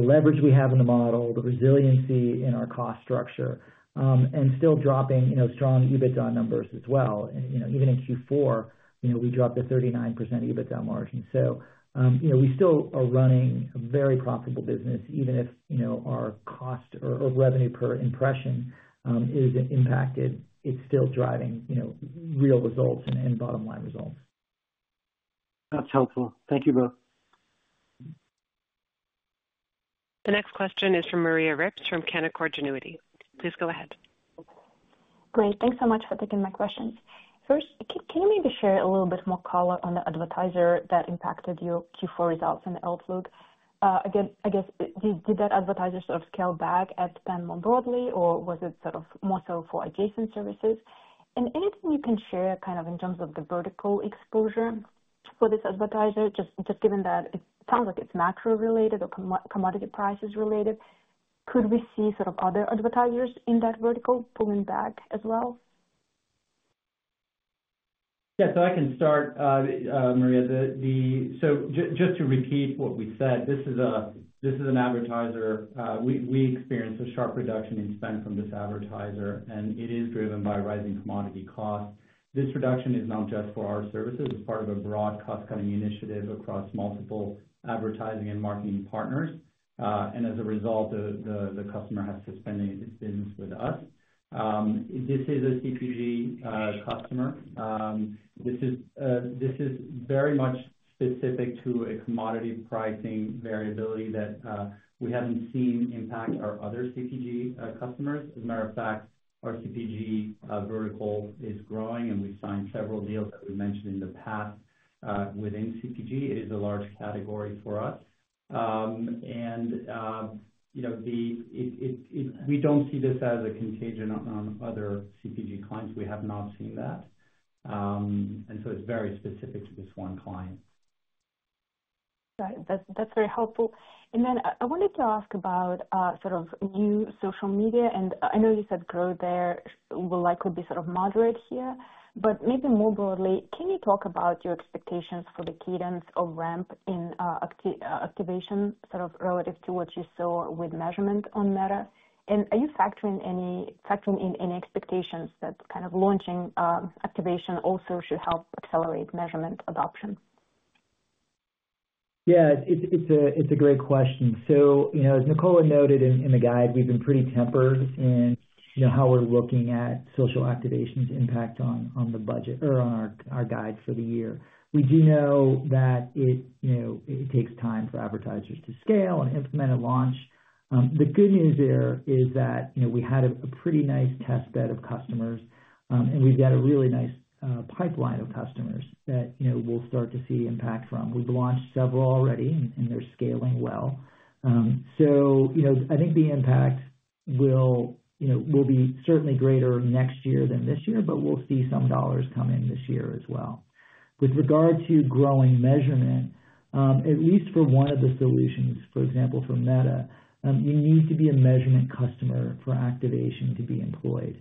the leverage we have in the model, the resiliency in our cost structure, and still dropping strong EBITDA numbers as well. Even in Q4, we dropped a 39% EBITDA margin. So we still are running a very profitable business, even if our cost or revenue per impression is impacted. It's still driving real results and bottom-line results. That's helpful. Thank you both. The next question is from Maria Rips from Canaccord Genuity. Please go ahead. Great. Thanks so much for taking my questions. First, can you maybe share a little bit more, Nicola, on the advertiser that impacted your Q4 results and outlook? Again, I guess, did that advertiser sort of scale back at them more broadly, or was it sort of more so for adjacent services? Anything you can share kind of in terms of the vertical exposure for this advertiser, just given that it sounds like it's macro-related or commodity prices-related? Could we see sort of other advertisers in that vertical pulling back as well? Yeah. I can start, Maria. Just to repeat what we said, this is an advertiser. We experienced a sharp reduction in spend from this advertiser, and it is driven by rising commodity costs. This reduction is not just for our services. It's part of a broad cost-cutting initiative across multiple advertising and marketing partners. And as a result, the customer has suspended its business with us. This is a CPG customer. This is very much specific to a commodity pricing variability that we haven't seen impact our other CPG customers. As a matter of fact, our CPG vertical is growing, and we've signed several deals that we've mentioned in the past within CPG. It is a large category for us. And we don't see this as a contagion on other CPG clients. We have not seen that. And so it's very specific to this one client. Right. That's very helpful. And then I wanted to ask about sort of new social media. And I know you said growth there will likely be sort of moderate here, but maybe more broadly, can you talk about your expectations for the cadence of ramp in activation sort of relative to what you saw with measurement on Meta? And are you factoring in any expectations that kind of launching activation also should help accelerate measurement adoption? Yeah. It's a great question. So as Nicola noted in the guide, we've been pretty tempered in how we're looking at social activation's impact on the budget or on our guide for the year. We do know that it takes time for advertisers to scale and implement a launch. The good news there is that we had a pretty nice test bed of customers, and we've got a really nice pipeline of customers that we'll start to see impact from. We've launched several already, and they're scaling well. So I think the impact will be certainly greater next year than this year, but we'll see some dollars come in this year as well. With regard to growing measurement, at least for one of the solutions, for example, for Meta, you need to be a measurement customer for activation to be employed.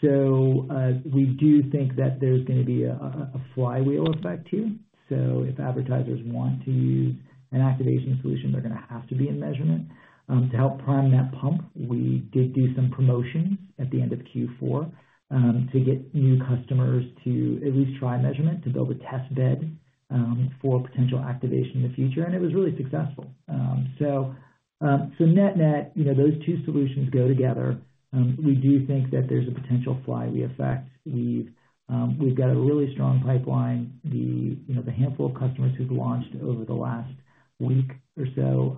So we do think that there's going to be a flywheel effect here. So if advertisers want to use an activation solution, they're going to have to be in measurement to help prime that pump. We did do some promotions at the end of Q4 to get new customers to at least try measurement to build a test bed for potential activation in the future. And it was really successful. So net-net, those two solutions go together. We do think that there's a potential flywheel effect. We've got a really strong pipeline. The handful of customers who've launched over the last week or so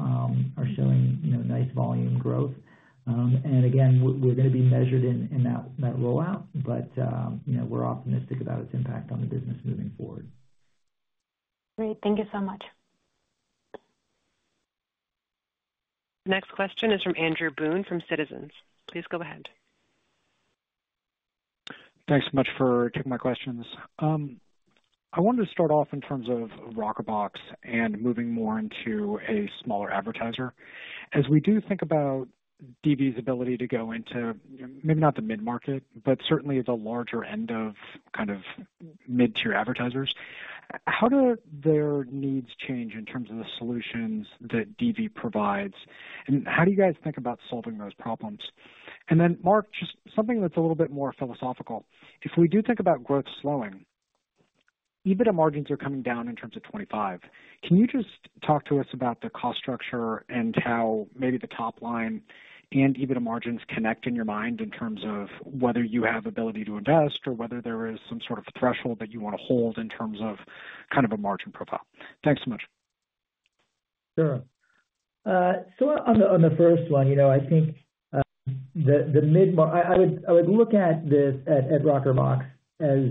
are showing nice volume growth. And again, we're going to be measured in that rollout, but we're optimistic about its impact on the business moving forward. Great. Thank you so much. The next question is from Andrew Boone from Citizens. Please go ahead. Thanks so much for taking my questions. I wanted to start off in terms of Rockerbox and moving more into a smaller advertiser. As we do think about DV's ability to go into maybe not the mid-market, but certainly the larger end of kind of mid-tier advertisers, how do their needs change in terms of the solutions that DV provides? And how do you guys think about solving those problems? And then, Mark, just something that's a little bit more philosophical. If we do think about growth slowing, EBITDA margins are coming down in terms of 2025. Can you just talk to us about the cost structure and how maybe the top line and EBITDA margins connect in your mind in terms of whether you have ability to invest or whether there is some sort of threshold that you want to hold in terms of kind of a margin profile? Thanks so much. Sure. So on the first one, I think the mid-market, I would look at this at Rockerbox as,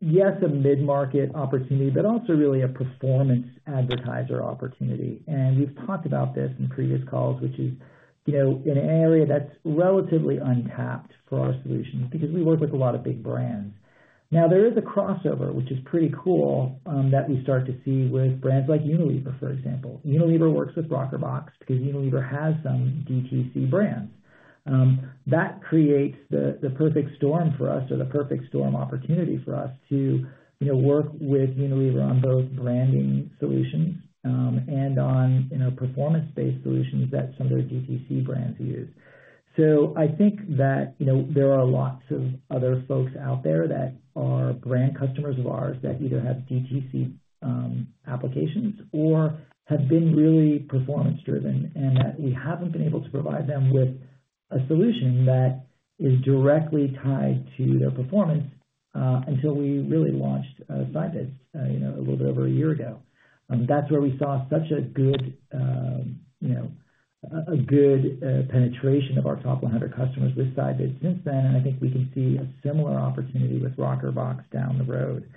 yes, a mid-market opportunity, but also really a performance advertiser opportunity. And we've talked about this in previous calls, which is an area that's relatively untapped for our solution because we work with a lot of big brands. Now, there is a crossover, which is pretty cool, that we start to see with brands like Unilever, for example. Unilever works with Rockerbox because Unilever has some DTC brands. That creates the perfect storm for us or the perfect storm opportunity for us to work with Unilever on both branding solutions and on performance-based solutions that some of their DTC brands use. I think that there are lots of other folks out there that are brand customers of ours that either have DTC applications or have been really performance-driven and that we haven't been able to provide them with a solution that is directly tied to their performance until we really launched Scibids a little bit over a year ago. That's where we saw such a good penetration of our top 100 customers with Scibids since then. And I think we can see a similar opportunity with Rockerbox down the road.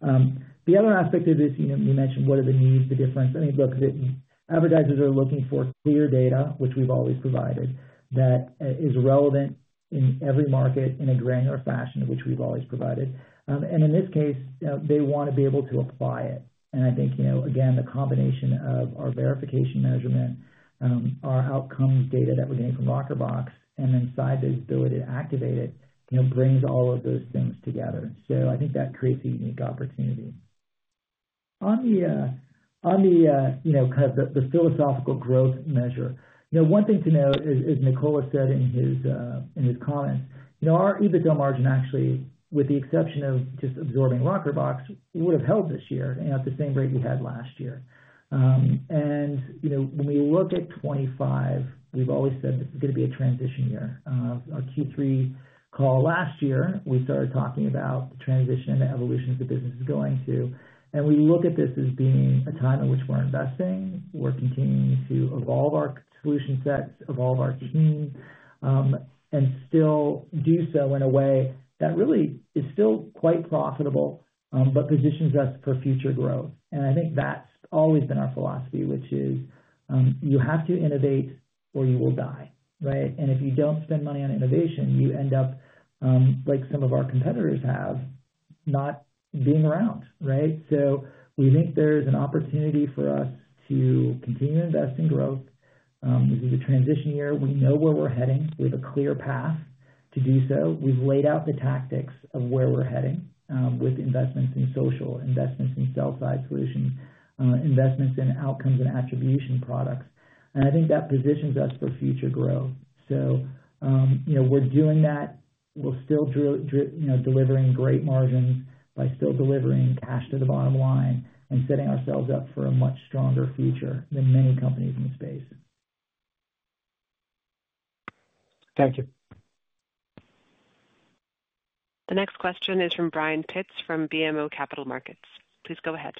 The other aspect of this, you mentioned what are the needs, the difference. I mean, look, advertisers are looking for clear data, which we've always provided, that is relevant in every market in a granular fashion, which we've always provided. And in this case, they want to be able to apply it. I think, again, the combination of our verification measurement, our outcome data that we're getting from Rockerbox, and then Scibids's ability to activate it brings all of those things together. So I think that creates a unique opportunity. On the kind of the philosophical growth measure, one thing to note is, as Nicola said in his comments, our EBITDA margin actually, with the exception of just absorbing Rockerbox, would have held this year at the same rate we had last year. When we look at 2025, we've always said this is going to be a transition year. Our Q3 call last year, we started talking about the transition and the evolution the business is going to. We look at this as being a time in which we're investing. We're continuing to evolve our solution sets, evolve our team, and still do so in a way that really is still quite profitable but positions us for future growth. I think that's always been our philosophy, which is you have to innovate or you will die, right? And if you don't spend money on innovation, you end up, like some of our competitors have, not being around, right? We think there's an opportunity for us to continue to invest in growth. This is a transition year. We know where we're heading. We have a clear path to do so. We've laid out the tactics of where we're heading with investments in social, investments in sell-side solutions, investments in outcomes and attribution products. I think that positions us for future growth. So we're doing that. We're still delivering great margins by still delivering cash to the bottom line and setting ourselves up for a much stronger future than many companies in the space. Thank you. The next question is from Brian Pitz from BMO Capital Markets. Please go ahead.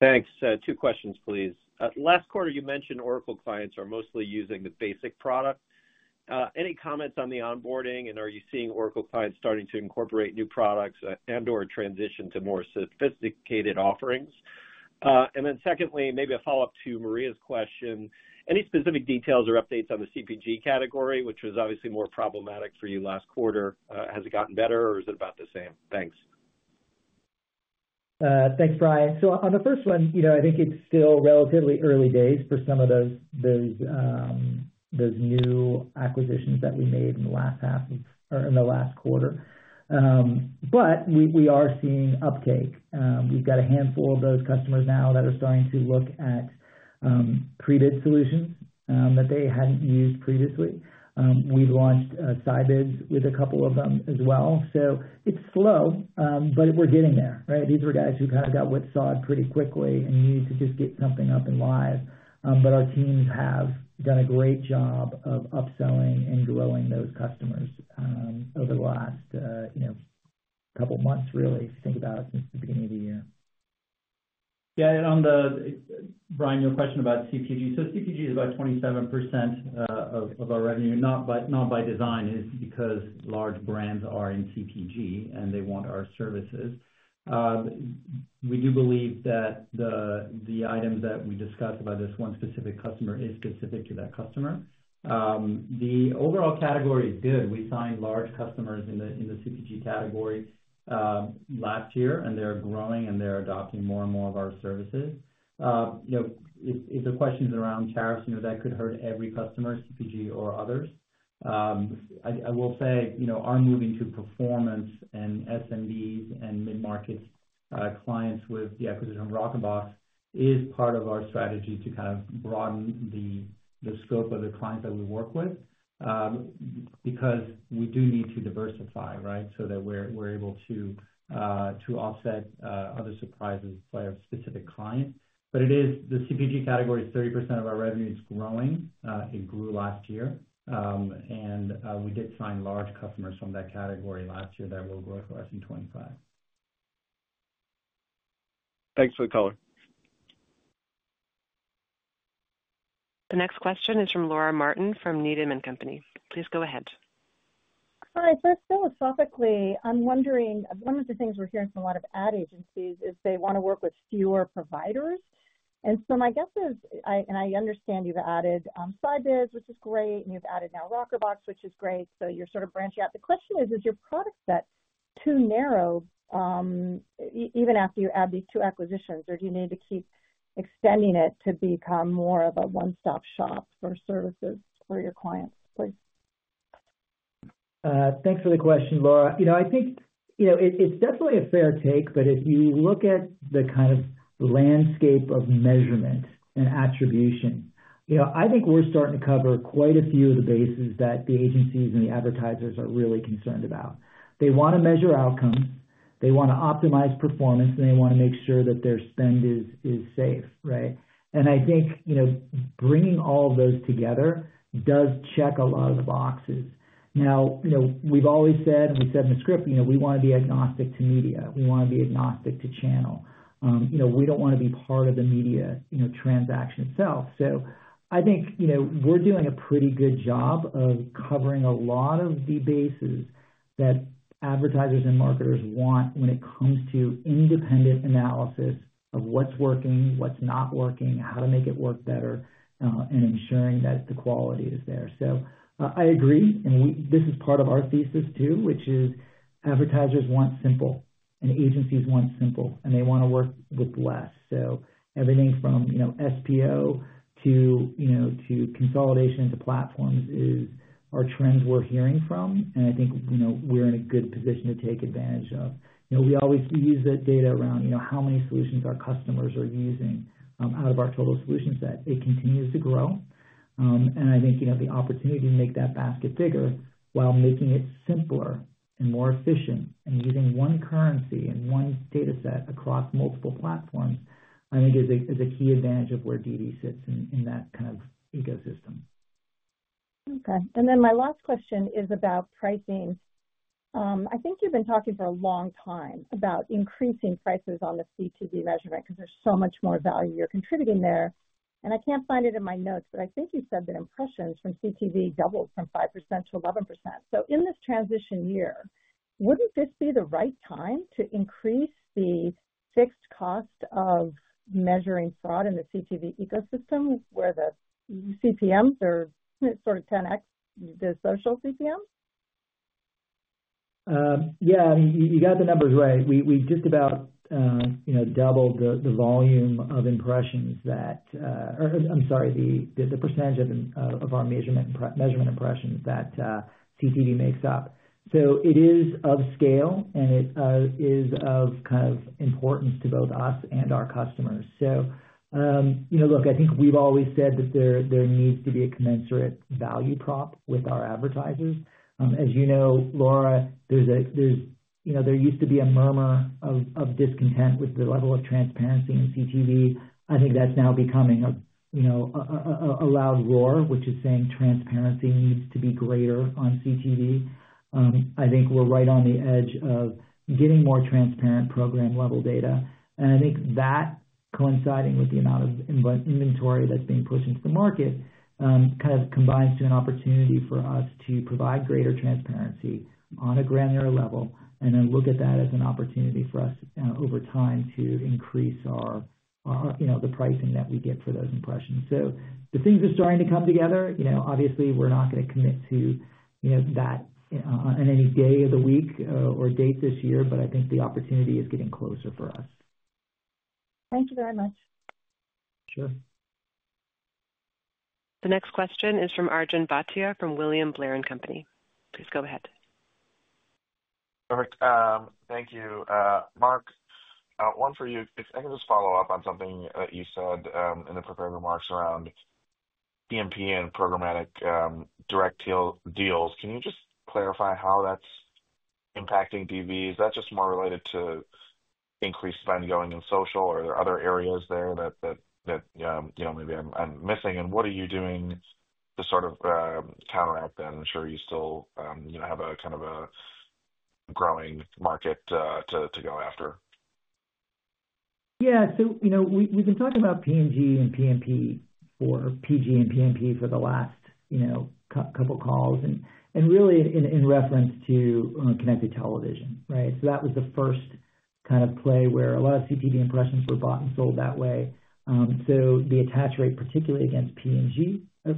Thanks. Two questions, please. Last quarter, you mentioned Oracle clients are mostly using the basic product. Any comments on the onboarding, and are you seeing Oracle clients starting to incorporate new products and/or transition to more sophisticated offerings? And then secondly, maybe a follow-up to Maria's question. Any specific details or updates on the CPG category, which was obviously more problematic for you last quarter? Has it gotten better, or is it about the same? Thanks. Thanks, Brian. So, on the first one, I think it's still relatively early days for some of those new acquisitions that we made in the last half or in the last quarter. But we are seeing uptake. We've got a handful of those customers now that are starting to look at pre-bid solutions that they hadn't used previously. We've launched Scibids with a couple of them as well. So it's slow, but we're getting there, right? These are guys who kind of got whipsawed pretty quickly and needed to just get something up and live. But our teams have done a great job of upselling and growing those customers over the last couple of months, really, if you think about it since the beginning of the year. Yeah. And on the, Brian, your question about CPG. So CPG is about 27% of our revenue, not by design, is because large brands are in CPG and they want our services. We do believe that the items that we discussed about this one specific customer are specific to that customer. The overall category is good. We signed large customers in the CPG category last year, and they're growing, and they're adopting more and more of our services. If the question's around tariffs, that could hurt every customer, CPG or others. I will say our moving to performance and SMBs and mid-market clients with the acquisition of Rockerbox is part of our strategy to kind of broaden the scope of the clients that we work with because we do need to diversify, right, so that we're able to offset other surprises by a specific client. But it is. The CPG category is 30% of our revenue. It's growing. It grew last year. And we did sign large customers from that category last year that will grow for us in 2025. Thanks for the color. The next question is from Laura Martin from Needham & Company. Please go ahead. All right. So philosophically, I'm wondering, one of the things we're hearing from a lot of ad agencies is they want to work with fewer providers. And so my guess is, and I understand you've added Scibids, which is great, and you've added now Rockerbox, which is great. So you're sort of branching out. The question is, is your product set too narrow even after you add these two acquisitions, or do you need to keep extending it to become more of a one-stop shop for services for your clients? Please. Thanks for the question, Laura. I think it's definitely a fair take, but if you look at the kind of landscape of measurement and attribution, I think we're starting to cover quite a few of the bases that the agencies and the advertisers are really concerned about. They want to measure outcomes. They want to optimize performance, and they want to make sure that their spend is safe, right? And I think bringing all of those together does check a lot of the boxes. Now, we've always said, and we said in the script, we want to be agnostic to media. We want to be agnostic to channel. We don't want to be part of the media transaction itself. So I think we're doing a pretty good job of covering a lot of the bases that advertisers and marketers want when it comes to independent analysis of what's working, what's not working, how to make it work better, and ensuring that the quality is there. So I agree. And this is part of our thesis too, which is advertisers want simple, and agencies want simple, and they want to work with less. So everything from SPO to consolidation to platforms are trends we're hearing from. And I think we're in a good position to take advantage of. We always use that data around how many solutions our customers are using out of our total solution set. It continues to grow. And I think the opportunity to make that basket bigger while making it simpler and more efficient and using one currency and one dataset across multiple platforms, I think, is a key advantage of where DV sits in that kind of ecosystem. Okay. And then my last question is about pricing. I think you've been talking for a long time about increasing prices on the CTV measurement because there's so much more value you're contributing there. And I can't find it in my notes, but I think you said that impressions from CTV doubled from 5% to 11%. So in this transition year, wouldn't this be the right time to increase the fixed cost of measuring fraud in the CTV ecosystem where the CPMs are sort of 10X the social CPMs? Yeah. I mean, you got the numbers right. We just about doubled the volume of impressions that or I'm sorry, the percentage of our measurement impressions that CTV makes up, so it is of scale, and it is of kind of importance to both us and our customers, so look, I think we've always said that there needs to be a commensurate value prop with our advertisers. As you know, Laura, there used to be a murmur of discontent with the level of transparency in CTV. I think that's now becoming a loud roar, which is saying transparency needs to be greater on CTV. I think we're right on the edge of getting more transparent program-level data. And I think that coinciding with the amount of inventory that's being pushed into the market kind of combines to an opportunity for us to provide greater transparency on a granular level and then look at that as an opportunity for us over time to increase the pricing that we get for those impressions. So the things are starting to come together. Obviously, we're not going to commit to that on any day of the week or date this year, but I think the opportunity is getting closer for us. Thank you very much. Sure. The next question is from Arjun Bhatia from William Blair & Company. Please go ahead. Perfect. Thank you, Mark. One for you. I can just follow up on something that you said in the prepared remarks around PMP and programmatic direct deals. Can you just clarify how that's impacting DV? Is that just more related to increased spend going in social, or are there other areas there that maybe I'm missing? And what are you doing to sort of counteract that? I'm sure you still have a kind of a growing market to go after. Yeah. So we've been talking about PMP and PG for the last couple of calls and really in reference to connected television, right? So that was the first kind of play where a lot of CTV impressions were bought and sold that way. So the attach rate, particularly against PG, was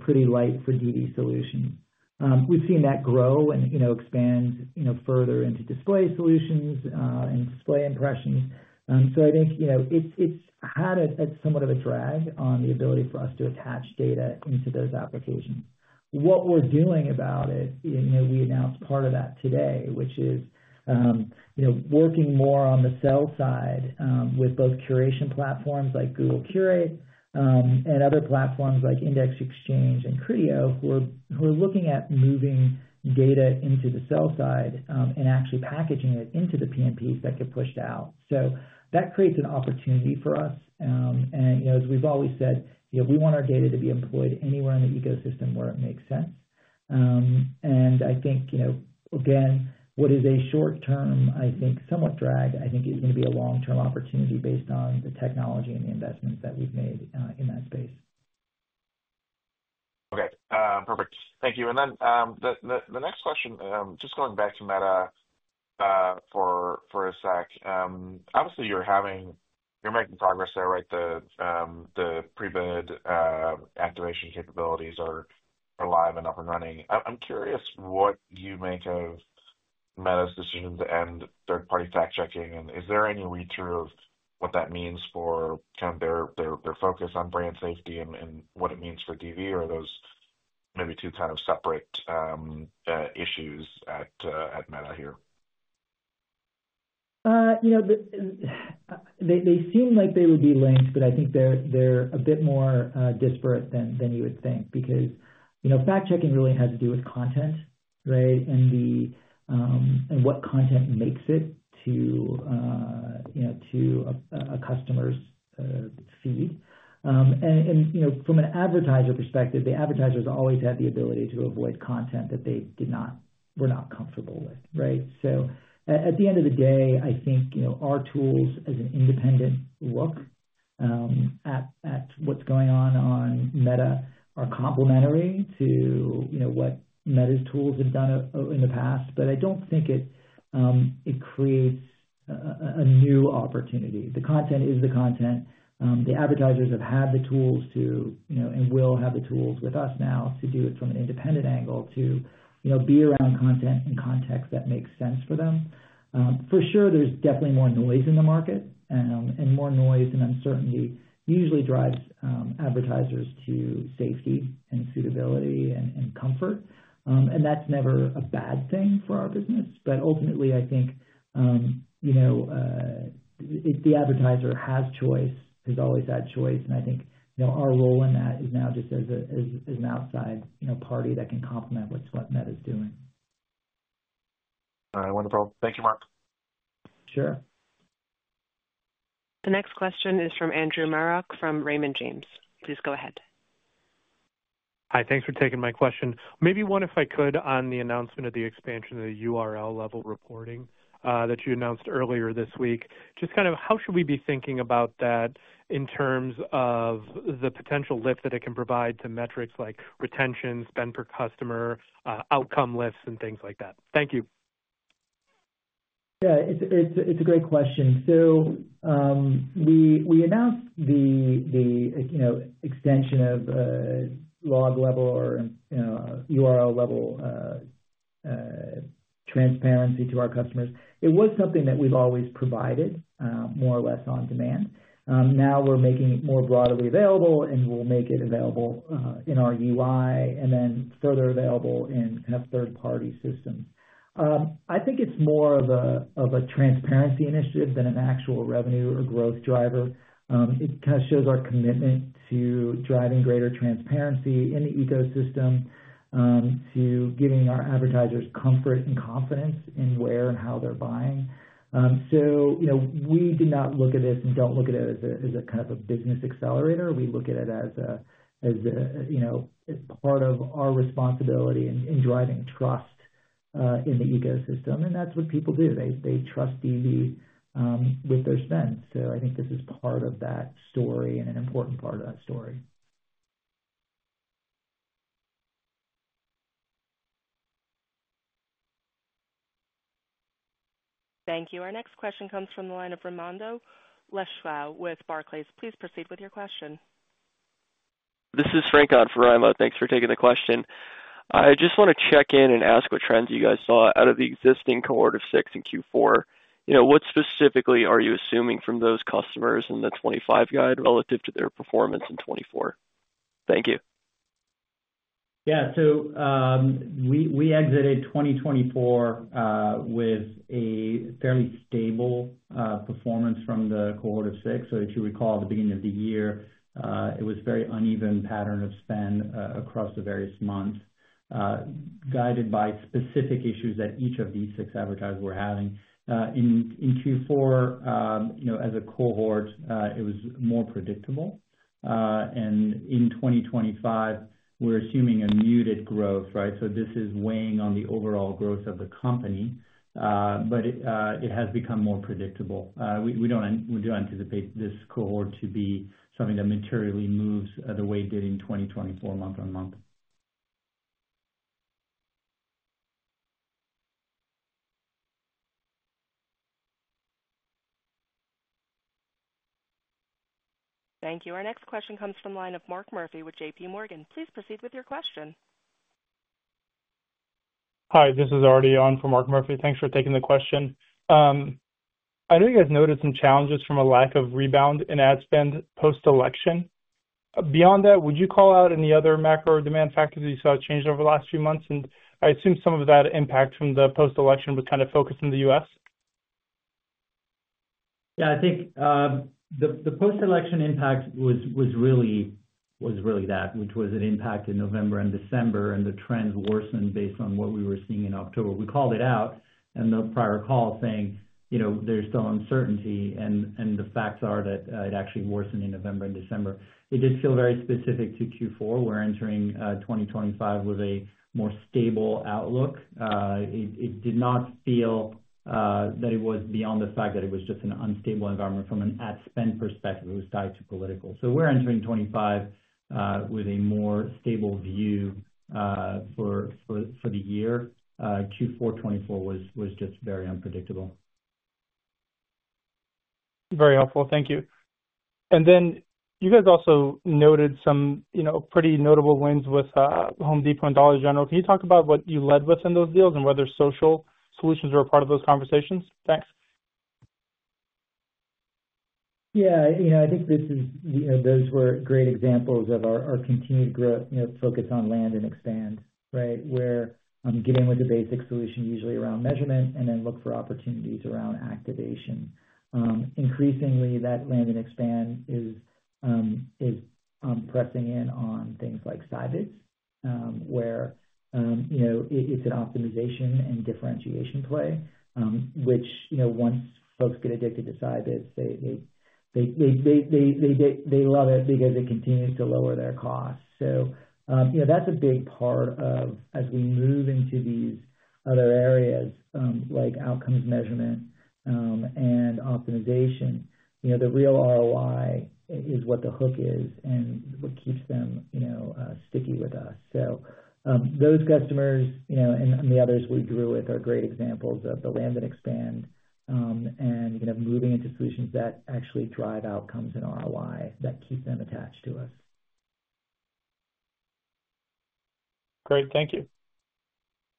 pretty light for DV solutions. We've seen that grow and expand further into display solutions and display impressions. So I think it's had somewhat of a drag on the ability for us to attach data into those applications. What we're doing about it, we announced part of that today, which is working more on the sell-side with both curation platforms like Google Curate and other platforms like Index Exchange and Criteo who are looking at moving data into the sell-side and actually packaging it into the PMPs that get pushed out. So that creates an opportunity for us. And as we've always said, we want our data to be employed anywhere in the ecosystem where it makes sense. And I think, again, what is a short-term, I think, somewhat drag, I think is going to be a long-term opportunity based on the technology and the investments that we've made in that space. Okay. Perfect. Thank you. And then the next question, just going back to Meta for a sec. Obviously, you're making progress there, right? The pre-bid activation capabilities are live and up and running. I'm curious what you make of Meta's decision to end third-party fact-checking, and is there any read-through of what that means for kind of their focus on brand safety and what it means for DV, or are those maybe two kind of separate issues at Meta here? They seem like they would be linked, but I think they're a bit more disparate than you would think because fact-checking really has to do with content, right, and what content makes it to a customer's feed. And from an advertiser perspective, the advertiser has always had the ability to avoid content that they were not comfortable with, right? So at the end of the day, I think our tools as an independent look at what's going on on Meta are complementary to what Meta's tools have done in the past, but I don't think it creates a new opportunity. The content is the content. The advertisers have had the tools to and will have the tools with us now to do it from an independent angle to be around content and context that makes sense for them. For sure, there's definitely more noise in the market, and more noise and uncertainty usually drives advertisers to safety and suitability and comfort. And that's never a bad thing for our business. But ultimately, I think the advertiser has choice, has always had choice. And I think our role in that is now just as an outside party that can complement what Meta is doing. All right. Wonderful. Thank you, Mark. Sure. The next question is from Andrew Marok from Raymond James. Please go ahead. Hi. Thanks for taking my question. Maybe one if I could on the announcement of the expansion of the URL-level reporting that you announced earlier this week. Just kind of how should we be thinking about that in terms of the potential lift that it can provide to metrics like retention, spend per customer, outcome lifts, and things like that? Thank you. Yeah. It's a great question. So we announced the extension of log-level or URL-level transparency to our customers. It was something that we've always provided more or less on demand. Now we're making it more broadly available, and we'll make it available in our UI and then further available in kind of third-party systems. I think it's more of a transparency initiative than an actual revenue or growth driver. It kind of shows our commitment to driving greater transparency in the ecosystem, to giving our advertisers comfort and confidence in where and how they're buying. So we do not look at this and don't look at it as a kind of a business accelerator. We look at it as a part of our responsibility in driving trust in the ecosystem, and that's what people do. They trust DV with their spend, so I think this is part of that story and an important part of that story. Thank you. Our next question comes from the line of Raimo Lenschow with Barclays. Please proceed with your question. This is Raimo Lenschow. Thanks for taking the question. I just want to check in and ask what trends you guys saw out of the existing cohort of six in Q4? What specifically are you assuming from those customers in the 2025 guide relative to their performance in 2024? Thank you. Yeah, so we exited 2024 with a fairly stable performance from the cohort of six. So if you recall, at the beginning of the year, it was a very uneven pattern of spend across the various months guided by specific issues that each of these six advertisers were having. In Q4, as a cohort, it was more predictable, and in 2025, we're assuming a muted growth, right, so this is weighing on the overall growth of the company, but it has become more predictable. We do anticipate this cohort to be something that materially moves the way it did in 2024, month-on-month. Thank you. Our next question comes from the line of Mark Murphy with JPMorgan. Please proceed with your question. Hi. This is Artiom Dats from Mark Murphy. Thanks for taking the question. I know you guys noted some challenges from a lack of rebound in ad spend post-election. Beyond that, would you call out any other macro demand factors that you saw changed over the last few months? And I assume some of that impact from the post-election was kind of focused in the U.S.? Yeah. I think the post-election impact was really that, which was an impact in November and December, and the trends worsened based on what we were seeing in October. We called it out in the prior call saying there's still uncertainty, and the facts are that it actually worsened in November and December. It did feel very specific to Q4. We're entering 2025 with a more stable outlook. It did not feel that it was beyond the fact that it was just an unstable environment from an ad spend perspective. It was tied to political. So we're entering 2025 with a more stable view for the year. Q4 2024 was just very unpredictable. Very helpful. Thank you. And then you guys also noted some pretty notable wins with Home Depot and Dollar General. Can you talk about what you led with in those deals and whether social solutions were a part of those conversations? Thanks. Yeah. I think those were great examples of our continued focus on land and expand, right, where getting with the basic solution usually around measurement and then look for opportunities around activation. Increasingly, that land and expand is pressing in on things like Scibids where it's an optimization and differentiation play, which once folks get addicted to Scibids, they love it because it continues to lower their costs. So that's a big part of as we move into these other areas like outcomes measurement and optimization. The real ROI is what the hook is and what keeps them sticky with us. So those customers and the others we grew with are great examples of the land and expand and moving into solutions that actually drive outcomes and ROI that keep them attached to us. Great. Thank you.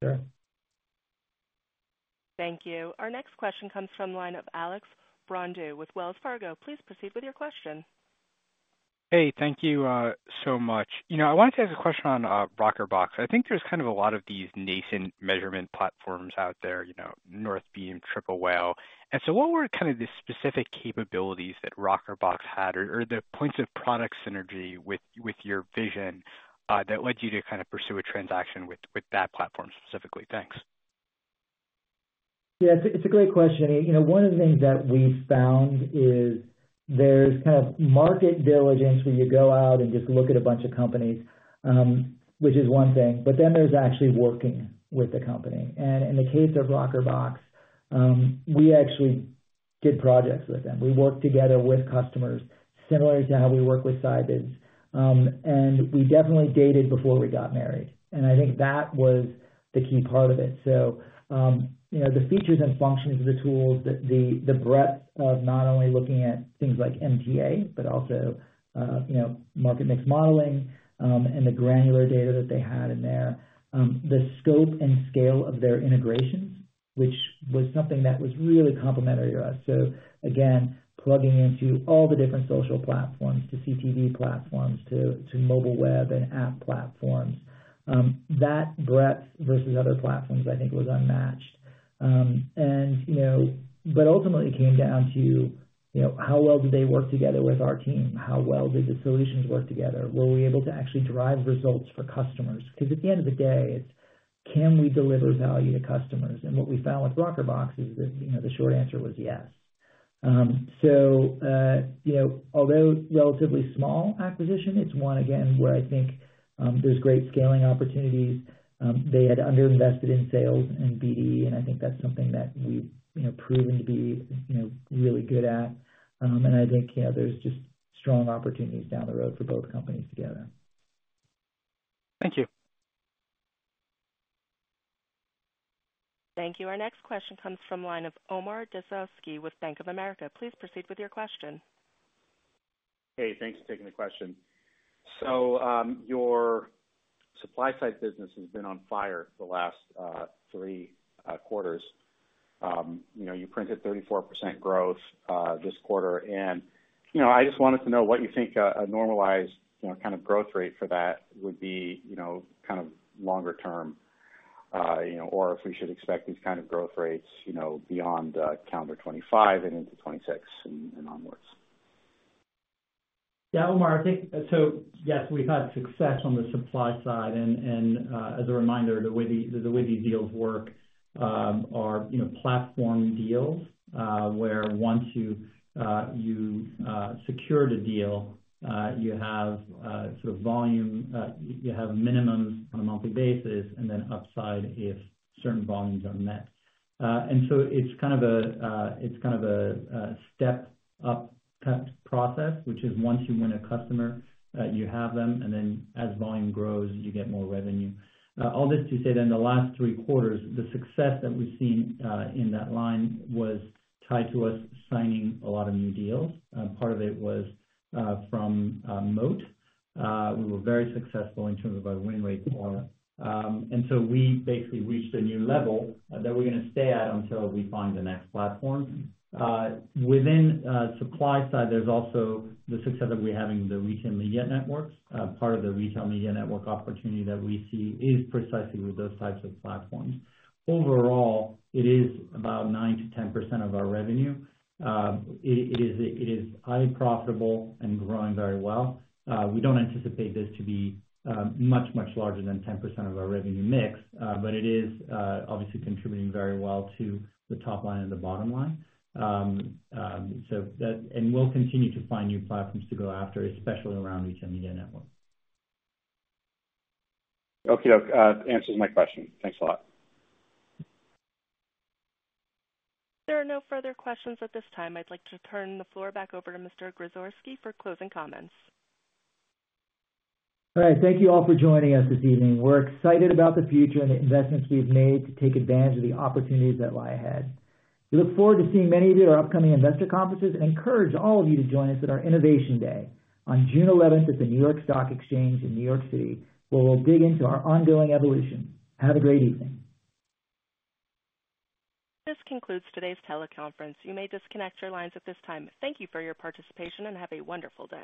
Sure. Thank you. Our next question comes from the line of Alex Brignall with Wells Fargo. Please proceed with your question. Hey. Thank you so much. I wanted to ask a question on Rockerbox. I think there's kind of a lot of these nascent measurement platforms out there, Northbeam, Triple Whale. And so what were kind of the specific capabilities that Rockerbox had or the points of product synergy with your vision that led you to kind of pursue a transaction with that platform specifically? Thanks. Yeah. It's a great question. One of the things that we found is there's kind of market diligence where you go out and just look at a bunch of companies, which is one thing, but then there's actually working with the company. And in the case of Rockerbox, we actually did projects with them. We worked together with customers similar to how we work with Scibids. And we definitely dated before we got married. And I think that was the key part of it. So the features and functions of the tools, the breadth of not only looking at things like MTA, but also market mix modeling and the granular data that they had in there, the scope and scale of their integrations, which was something that was really complementary to us. So again, plugging into all the different social platforms, to CTV platforms, to mobile web and app platforms, that breadth versus other platforms, I think, was unmatched. But ultimately, it came down to how well did they work together with our team? How well did the solutions work together? Were we able to actually drive results for customers? Because at the end of the day, it's can we deliver value to customers? And what we found with Rockerbox is that the short answer was yes. So although relatively small acquisition, it's one, again, where I think there's great scaling opportunities. They had underinvested in sales and BD, and I think that's something that we've proven to be really good at. And I think there's just strong opportunities down the road for both companies together. Thank you. Thank you. Our next question comes from the line of Omar Dessouky with Bank of America. Please proceed with your question. Hey. Thanks for taking the question. So your supply-side business has been on fire the last three quarters. You printed 34% growth this quarter. And I just wanted to know what you think a normalized kind of growth rate for that would be kind of longer term, or if we should expect these kind of growth rates beyond calendar 2025 and into 2026 and onwards. Yeah. Omar, I think so. Yes, we've had success on the supply side. And as a reminder, the way these deals work are platform deals where once you secured a deal, you have sort of volume; you have minimums on a monthly basis, and then upside if certain volumes are met. It's kind of a step-up type process, which is once you win a customer, you have them, and then as volume grows, you get more revenue. All this to say that in the last three quarters, the success that we've seen in that line was tied to us signing a lot of new deals. Part of it was from Moat. We were very successful in terms of our win rate there. We basically reached a new level that we're going to stay at until we find the next platform. Within supply side, there's also the success that we're having with the retail media networks. Part of the retail media network opportunity that we see is precisely with those types of platforms. Overall, it is about 9%-10% of our revenue. It is highly profitable and growing very well. We don't anticipate this to be much, much larger than 10% of our revenue mix, but it is obviously contributing very well to the top line and the bottom line, and we'll continue to find new platforms to go after, especially around retail media network. Okay. That answers my question. Thanks a lot. There are no further questions at this time. I'd like to turn the floor back over to Mr. Zagorski for closing comments. All right. Thank you all for joining us this evening. We're excited about the future and the investments we've made to take advantage of the opportunities that lie ahead. We look forward to seeing many of you at our upcoming investor conferences and encourage all of you to join us at our Innovation Day on June 11th at the New York Stock Exchange in New York City, where we'll dig into our ongoing evolution. Have a great evening. This concludes today's teleconference. You may disconnect your lines at this time. Thank you for your participation and have a wonderful day.